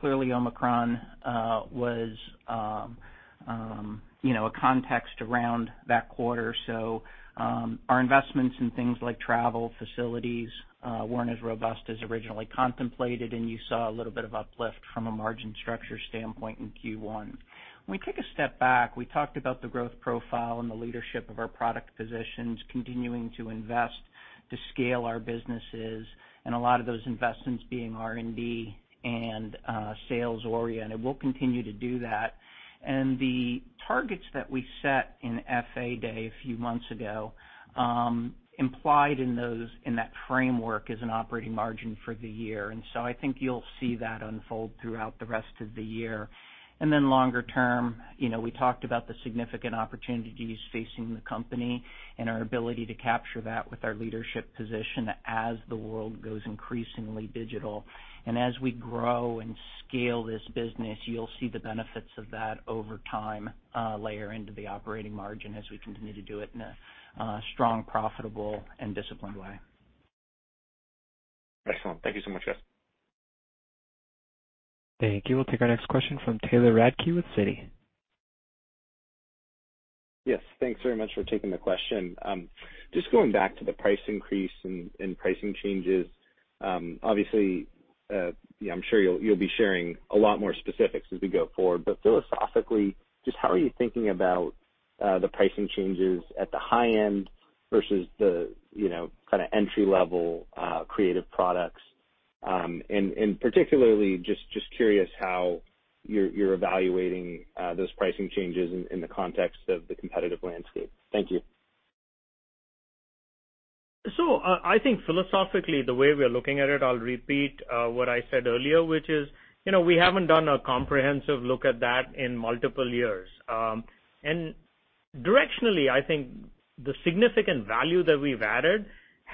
clearly Omicron was, you know, a context around that quarter. Our investments in things like travel, facilities, weren't as robust as originally contemplated, and you saw a little bit of uplift from a margin structure standpoint in Q1. When we take a step back, we talked about the growth profile and the leadership of our product positions continuing to invest to scale our businesses, and a lot of those investments being R&D and sales-oriented. We'll continue to do that. The targets that we set in FA Day a few months ago implied in that framework as an operating margin for the year. I think you'll see that unfold throughout the rest of the year. Longer term, you know, we talked about the significant opportunities facing the company and our ability to capture that with our leadership position as the world goes increasingly digital. As we grow and scale this business, you'll see the benefits of that over time, layer into the operating margin as we continue to do it in a strong, profitable, and disciplined way. Excellent. Thank you so much, guys. Thank you. We'll take our next question from Tyler Radke with Citi. Yes. Thanks very much for taking the question. Just going back to the price increase and pricing changes, obviously, yeah, I'm sure you'll be sharing a lot more specifics as we go forward. Philosophically, just how are you thinking about the pricing changes at the high end versus the, you know, kinda entry-level creative products? Particularly, just curious how you're evaluating those pricing changes in the context of the competitive landscape. Thank you. I think philosophically, the way we are looking at it, I'll repeat what I said earlier, which is, you know, we haven't done a comprehensive look at that in multiple years. Directionally, I think the significant value that we've added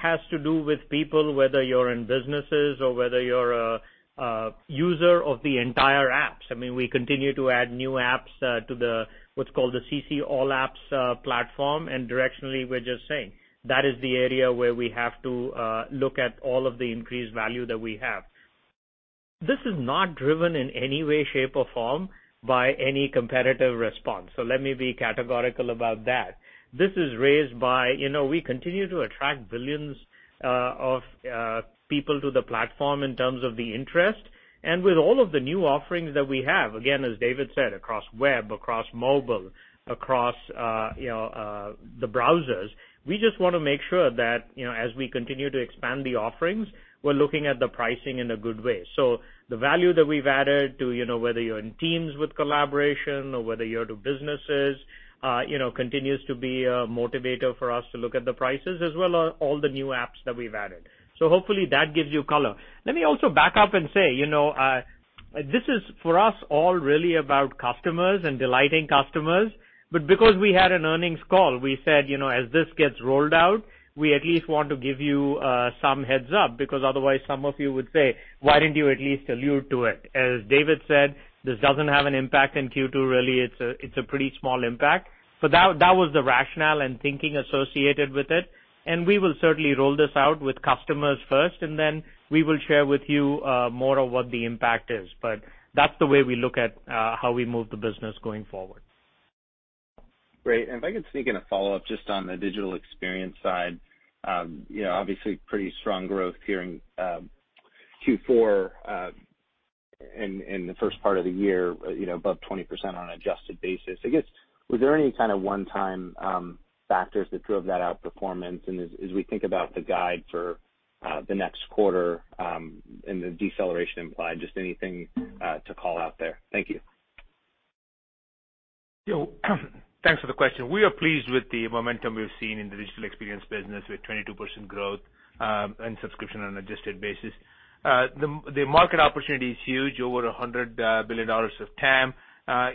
has to do with people, whether you're in businesses or whether you're a user of the entire apps. I mean, we continue to add new apps to the what's called the CC All Apps platform, and directionally, we're just saying that is the area where we have to look at all of the increased value that we have. This is not driven in any way, shape, or form by any competitive response. Let me be categorical about that. This is raised by, you know, we continue to attract billions of people to the platform in terms of the interest. With all of the new offerings that we have, again, as David said, across web, across mobile, across the browsers, we just wanna make sure that, you know, as we continue to expand the offerings, we're looking at the pricing in a good way. The value that we've added to, you know, whether you're in Teams with collaboration or whether you're to businesses, you know, continues to be a motivator for us to look at the prices as well as all the new apps that we've added. Hopefully, that gives you color. Let me also back up and say, you know, this is for us all really about customers and delighting customers. Because we had an earnings call, we said, you know, as this gets rolled out, we at least want to give you some heads-up, because otherwise some of you would say, "Why didn't you at least allude to it?" As David said, this doesn't have an impact in Q2 really. It's a pretty small impact. That was the rationale and thinking associated with it. We will certainly roll this out with customers first, and then we will share with you more of what the impact is. That's the way we look at how we move the business going forward. Great. If I could sneak in a follow-up just on the digital experience side. You know, obviously pretty strong growth here in Q4 in the first part of the year, you know, above 20% on an adjusted basis. I guess, was there any kind of one-time factors that drove that outperformance? As we think about the guide for the next quarter and the deceleration implied, just anything to call out there? Thank you. You know, thanks for the question. We are pleased with the momentum we've seen in the Digital Experience business with 22% growth and subscription on an adjusted basis. The market opportunity is huge, over $100 billion of TAM.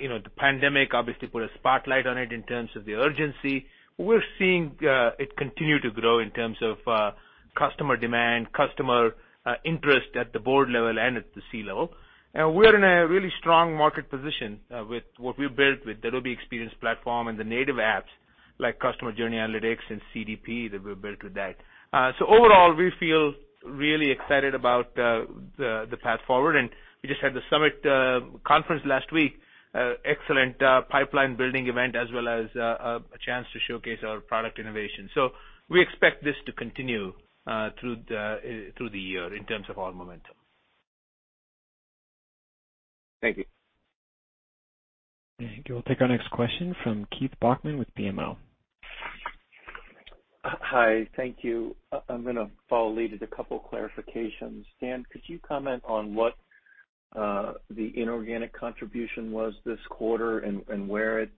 You know, the pandemic obviously put a spotlight on it in terms of the urgency. We're seeing it continue to grow in terms of customer demand, customer interest at the board level and at the C-level. We're in a really strong market position with what we built with Adobe Experience Platform and the native apps like Customer Journey Analytics and CDP that we built with that. Overall, we feel really excited about the path forward, and we just had the Summit conference last week, excellent pipeline building event, as well as a chance to showcase our product innovation. We expect this to continue through the year in terms of our momentum. Thank you. Thank you. We'll take our next question from Keith Bachman with BMO. Hi, thank you. I'm gonna follow lead with a couple clarifications. Dan, could you comment on what the inorganic contribution was this quarter and where it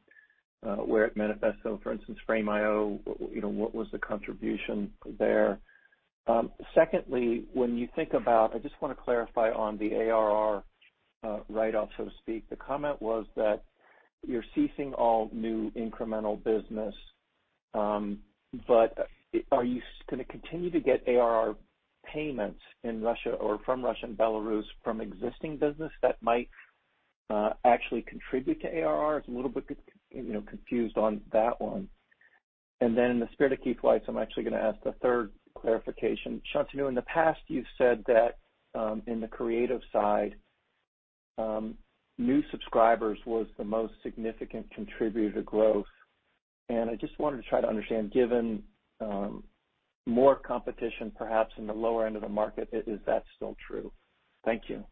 manifests? So for instance, Frame.io, you know, what was the contribution there? Secondly, I just wanna clarify on the ARR write-off, so to speak. The comment was that you're ceasing all new incremental business, but are you gonna continue to get ARR payments in Russia or from Russia and Belarus from existing business that might actually contribute to ARR? I was a little bit, you know, confused on that one. Then in the spirit of Keith Weiss, I'm actually gonna ask the third clarification. Shantanu, in the past, you've said that in the creative side new subscribers was the most significant contributor to growth. I just wanted to try to understand, given more competition perhaps in the lower end of the market, is that still true? Thank you.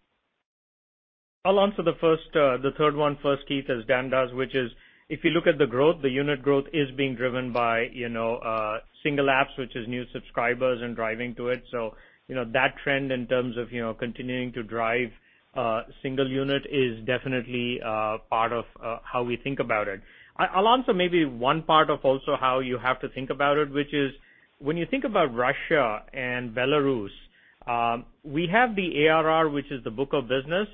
I'll answer the first, the third one first, Keith, as Dan does, which is, if you look at the growth, the unit growth is being driven by, you know, single apps, which is new subscribers and driving to it. So, you know, that trend in terms of, you know, continuing to drive, single unit is definitely, part of, how we think about it. I'll answer maybe one part of also how you have to think about it, which is when you think about Russia and Belarus, we have the ARR, which is the book of business,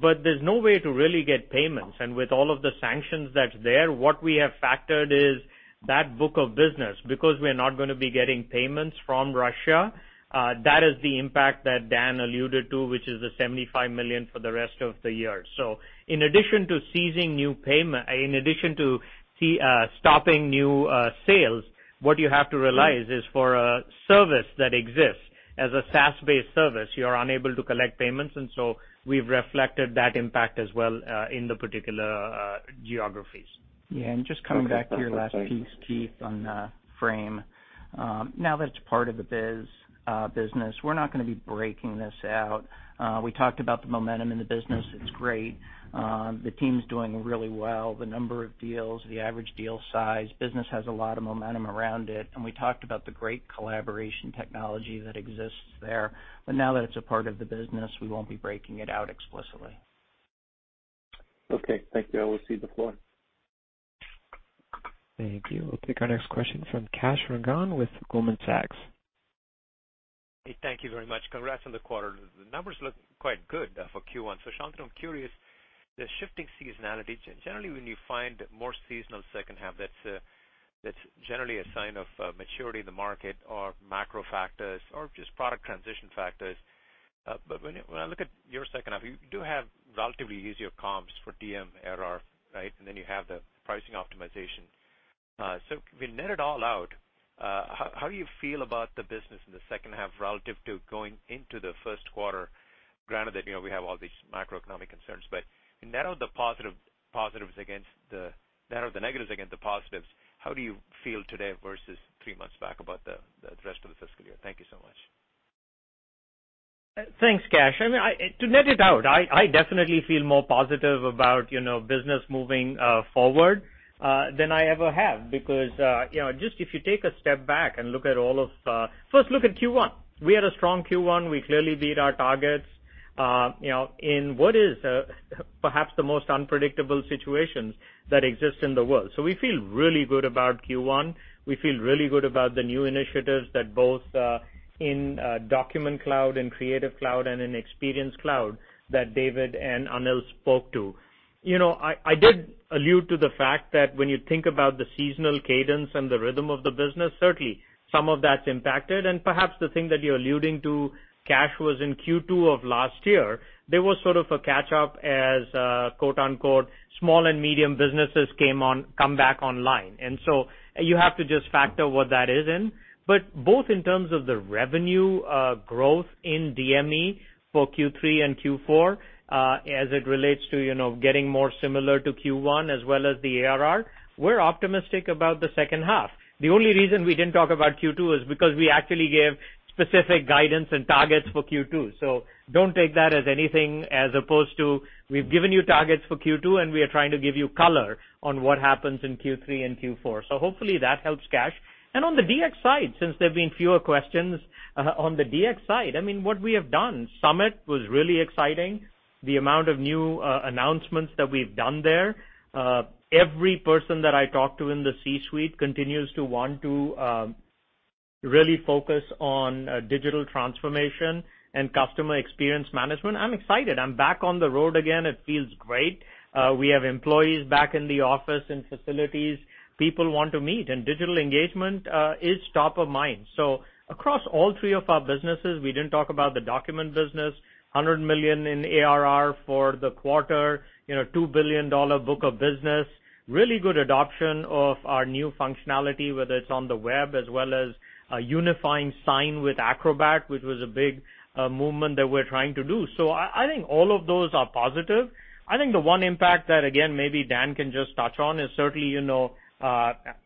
but there's no way to really get payments. With all of the sanctions that's there, what we have factored is that book of business, because we're not gonna be getting payments from Russia, that is the impact that Dan alluded to, which is the $75 million for the rest of the year. In addition to stopping new sales, what you have to realize is for a service that exists as a SaaS-based service, you're unable to collect payments, and so we've reflected that impact as well in the particular geographies. Okay, thank you. Yeah, just coming back to your last piece, Keith, on Frame.io. Now that it's part of the business, we're not gonna be breaking this out. We talked about the momentum in the business. It's great. The team's doing really well. The number of deals, the average deal size. Business has a lot of momentum around it, and we talked about the great collaboration technology that exists there. Now that it's a part of the business, we won't be breaking it out explicitly. Okay. Thank you. I will cede the floor. Thank you. We'll take our next question from Kash Rangan with Goldman Sachs. Hey, thank you very much. Congrats on the quarter. The numbers look quite good for Q1. Shantanu, I'm curious. The shifting seasonality, generally when you find more seasonal second half, that's generally a sign of maturity in the market or macro factors or just product transition factors. When I look at your second half, you do have relatively easier comps for DM ARR, right? Then you have the pricing optimization. When net it all out, how do you feel about the business in the second half relative to going into the first quarter, granted that, you know, we have all these macroeconomic concerns? Net out the positives against the negatives. How do you feel today versus three months back about the rest of the fiscal year? Thank you so much. Thanks, Kash. To net it out, I definitely feel more positive about, you know, business moving forward than I ever have because, you know, just if you take a step back and look at all of. First, look at Q1. We had a strong Q1. We clearly beat our targets, you know, in what is perhaps the most unpredictable situations that exist in the world. We feel really good about Q1. We feel really good about the new initiatives that both in Document Cloud, in Creative Cloud, and in Experience Cloud that David and Anil spoke to. You know, I did allude to the fact that when you think about the seasonal cadence and the rhythm of the business, certainly some of that's impacted, and perhaps the thing that you're alluding to, Kash, was in Q2 of last year, there was sort of a catch up as quote-unquote "small and medium businesses" come back online. You have to just factor what that is in. Both in terms of the revenue growth in DME for Q3 and Q4 as it relates to getting more similar to Q1 as well as the ARR, we're optimistic about the second half. The only reason we didn't talk about Q2 is because we actually gave specific guidance and targets for Q2. Don't take that as anything as opposed to we've given you targets for Q2, and we are trying to give you color on what happens in Q3 and Q4. Hopefully that helps, Kash. On the DX side, since there have been fewer questions, I mean what we have done. Summit was really exciting, the amount of new announcements that we've done there. Every person that I talk to in the C-suite continues to want to really focus on digital transformation and customer experience management. I'm excited. I'm back on the road again. It feels great. We have employees back in the office and facilities. People want to meet, and digital engagement is top of mind. Across all three of our businesses, we didn't talk about the document business, $100 million in ARR for the quarter, you know, $2 billion book of business, really good adoption of our new functionality, whether it's on the web, as well as a unifying Sign with Acrobat, which was a big movement that we're trying to do. I think all of those are positive. I think the one impact that, again, maybe Dan can just touch on is certainly, you know,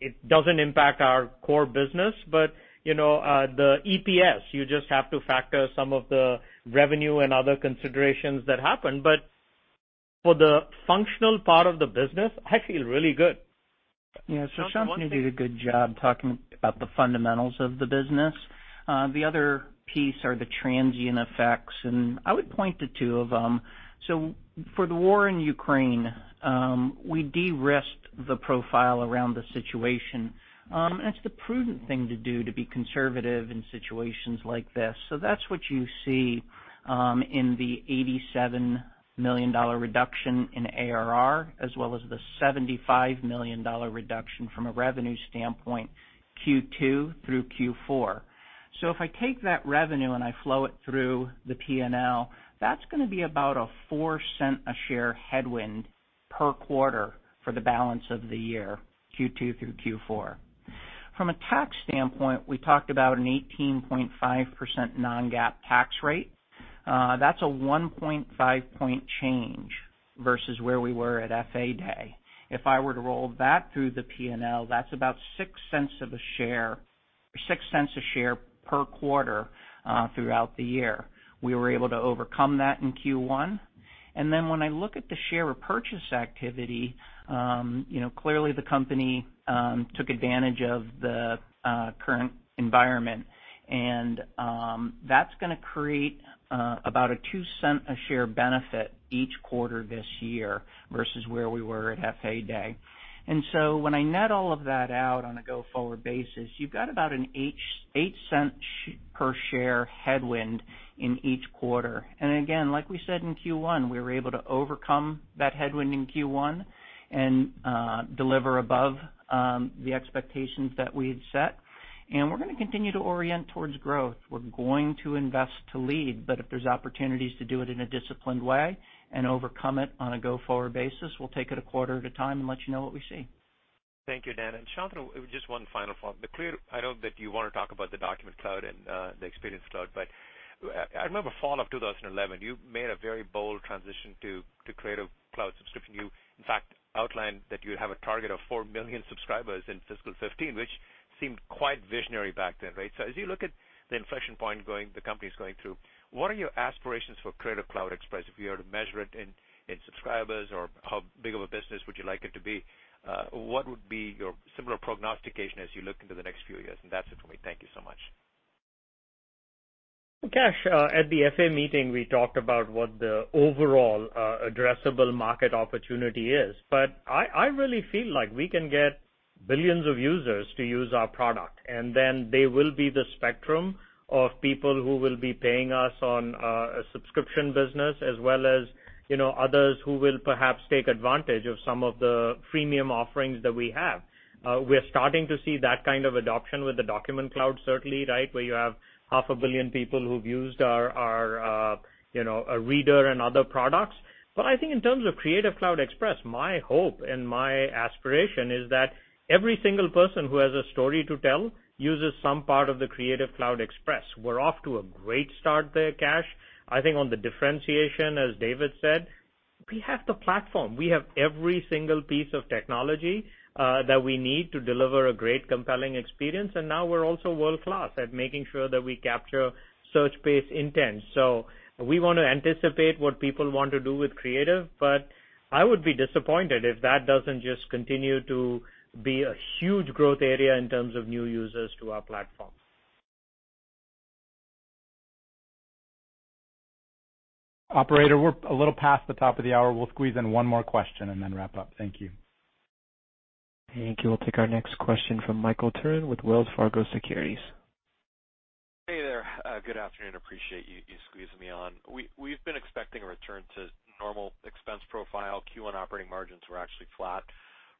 it doesn't impact our core business, but, you know, the EPS, you just have to factor some of the revenue and other considerations that happen. For the functional part of the business, I feel really good. Shantanu did a good job talking about the fundamentals of the business. The other piece are the transient effects, and I would point to two of them. For the war in Ukraine, we de-risked the profile around the situation. That's the prudent thing to do to be conservative in situations like this. That's what you see in the $87 million reduction in ARR as well as the $75 million reduction from a revenue standpoint Q2 through Q4. If I take that revenue and I flow it through the P&L, that's gonna be about a 4 cent a share headwind per quarter for the balance of the year, Q2 through Q4. From a tax standpoint, we talked about an 18.5% non-GAAP tax rate. That's a 1.5 percentage point change versus where we were at FA Day. If I were to roll that through the P&L, that's about six cent per share per quarter throughout the year. We were able to overcome that in Q1. When I look at the share repurchase activity, you know, clearly the company took advantage of the current environment. That's gonna create about a two cent per share benefit each quarter this year versus where we were at FA Day. When I net all of that out on a go-forward basis, you've got about an eight cent per share headwind in each quarter. Like we said in Q1, we were able to overcome that headwind in Q1 and deliver above the expectations that we had set. We're gonna continue to orient towards growth. We're going to invest to lead, but if there's opportunities to do it in a disciplined way and overcome it on a go-forward basis, we'll take it a quarter at a time and let you know what we see. Thank you, Dan. Shantanu, just one final follow-up. I know that you wanna talk about the Document Cloud and the Experience Cloud, but I remember fall of 2011, you made a very bold transition to Creative Cloud subscription. You, in fact, outlined that you have a target of 4 million subscribers in fiscal 2015, which seemed quite visionary back then, right? So as you look at the inflection point the company's going through, what are your aspirations for Creative Cloud Express if you were to measure it in subscribers or how big of a business would you like it to be? What would be your similar prognostication as you look into the next few years? That's it for me. Thank you so much. Kash, at the FA meeting, we talked about what the overall addressable market opportunity is. I really feel like we can get billions of users to use our product, and then they will be the spectrum of people who will be paying us on a subscription business as well as, you know, others who will perhaps take advantage of some of the freemium offerings that we have. We're starting to see that kind of adoption with the Document Cloud certainly, right, where you have 0.5 billion people who've used our, you know, our reader and other products. I think in terms of Creative Cloud Express, my hope and my aspiration is that every single person who has a story to tell uses some part of the Creative Cloud Express. We're off to a great start there, Kash. I think on the differentiation, as David said, we have the platform. We have every single piece of technology that we need to deliver a great compelling experience, and now we're also world-class at making sure that we capture search-based intent. We wanna anticipate what people want to do with Creative, but I would be disappointed if that doesn't just continue to be a huge growth area in terms of new users to our platform. Operator, we're a little past the top of the hour. We'll squeeze in one more question and then wrap up. Thank you. Thank you. We'll take our next question from Michael Turrin with Wells Fargo Securities. Hey there. Good afternoon. Appreciate you squeezing me on. We've been expecting a return to normal expense profile. Q1 operating margins were actually flat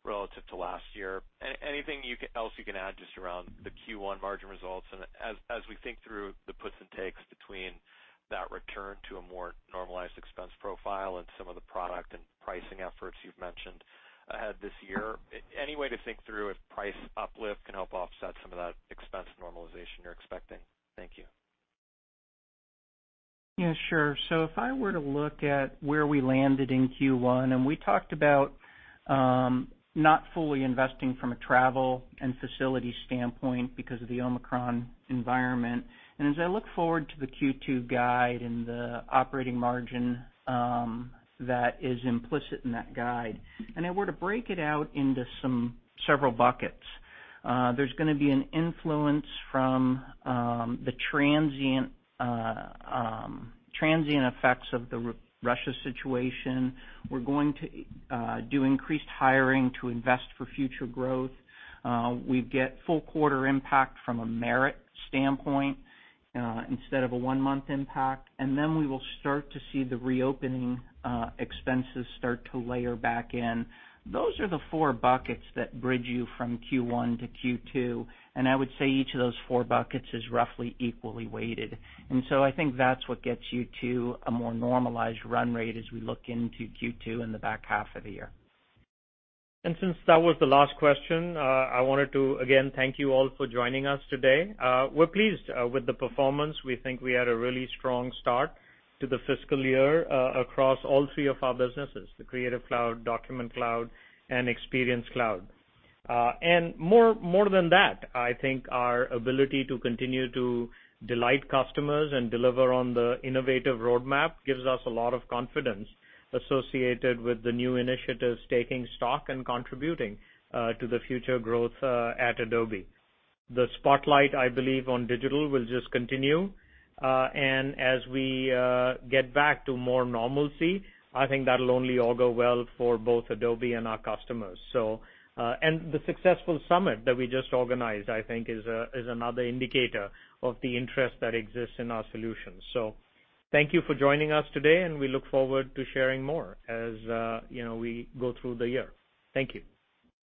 relative to last year. Anything else you can add just around the Q1 margin results? As we think through the puts and takes between that return to a more normalized expense profile and some of the product and pricing efforts you've mentioned ahead this year, any way to think through if price uplift can help offset some of that expense normalization you're expecting? Thank you. Yeah, sure. If I were to look at where we landed in Q1, and we talked about not fully investing from a travel and facility standpoint because of the Omicron environment. As I look forward to the Q2 guide and the operating margin that is implicit in that guide, if I were to break it out into several buckets, there's gonna be an influence from the transient effects of the Russia situation. We're going to do increased hiring to invest for future growth. We get full quarter impact from a merit standpoint instead of a one-month impact, and then we will start to see the reopening expenses start to layer back in. Those are the four buckets that bridge you from Q1 to Q2, and I would say each of those four buckets is roughly equally weighted. I think that's what gets you to a more normalized run rate as we look into Q2 in the back half of the year. Since that was the last question, I wanted to, again, thank you all for joining us today. We're pleased with the performance. We think we had a really strong start to the fiscal year, across all three of our businesses, the Creative Cloud, Document Cloud, and Experience Cloud. More than that, I think our ability to continue to delight customers and deliver on the innovative roadmap gives us a lot of confidence associated with the new initiatives taking stock and contributing to the future growth at Adobe. The spotlight, I believe, on digital will just continue. As we get back to more normalcy, I think that'll only all go well for both Adobe and our customers. The successful summit that we just organized, I think, is another indicator of the interest that exists in our solutions. Thank you for joining us today, and we look forward to sharing more as, you know, we go through the year. Thank you.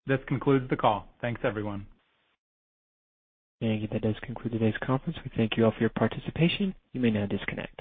This concludes the call. Thanks, everyone. Thank you. That does conclude today's conference. We thank you all for your participation. You may now disconnect.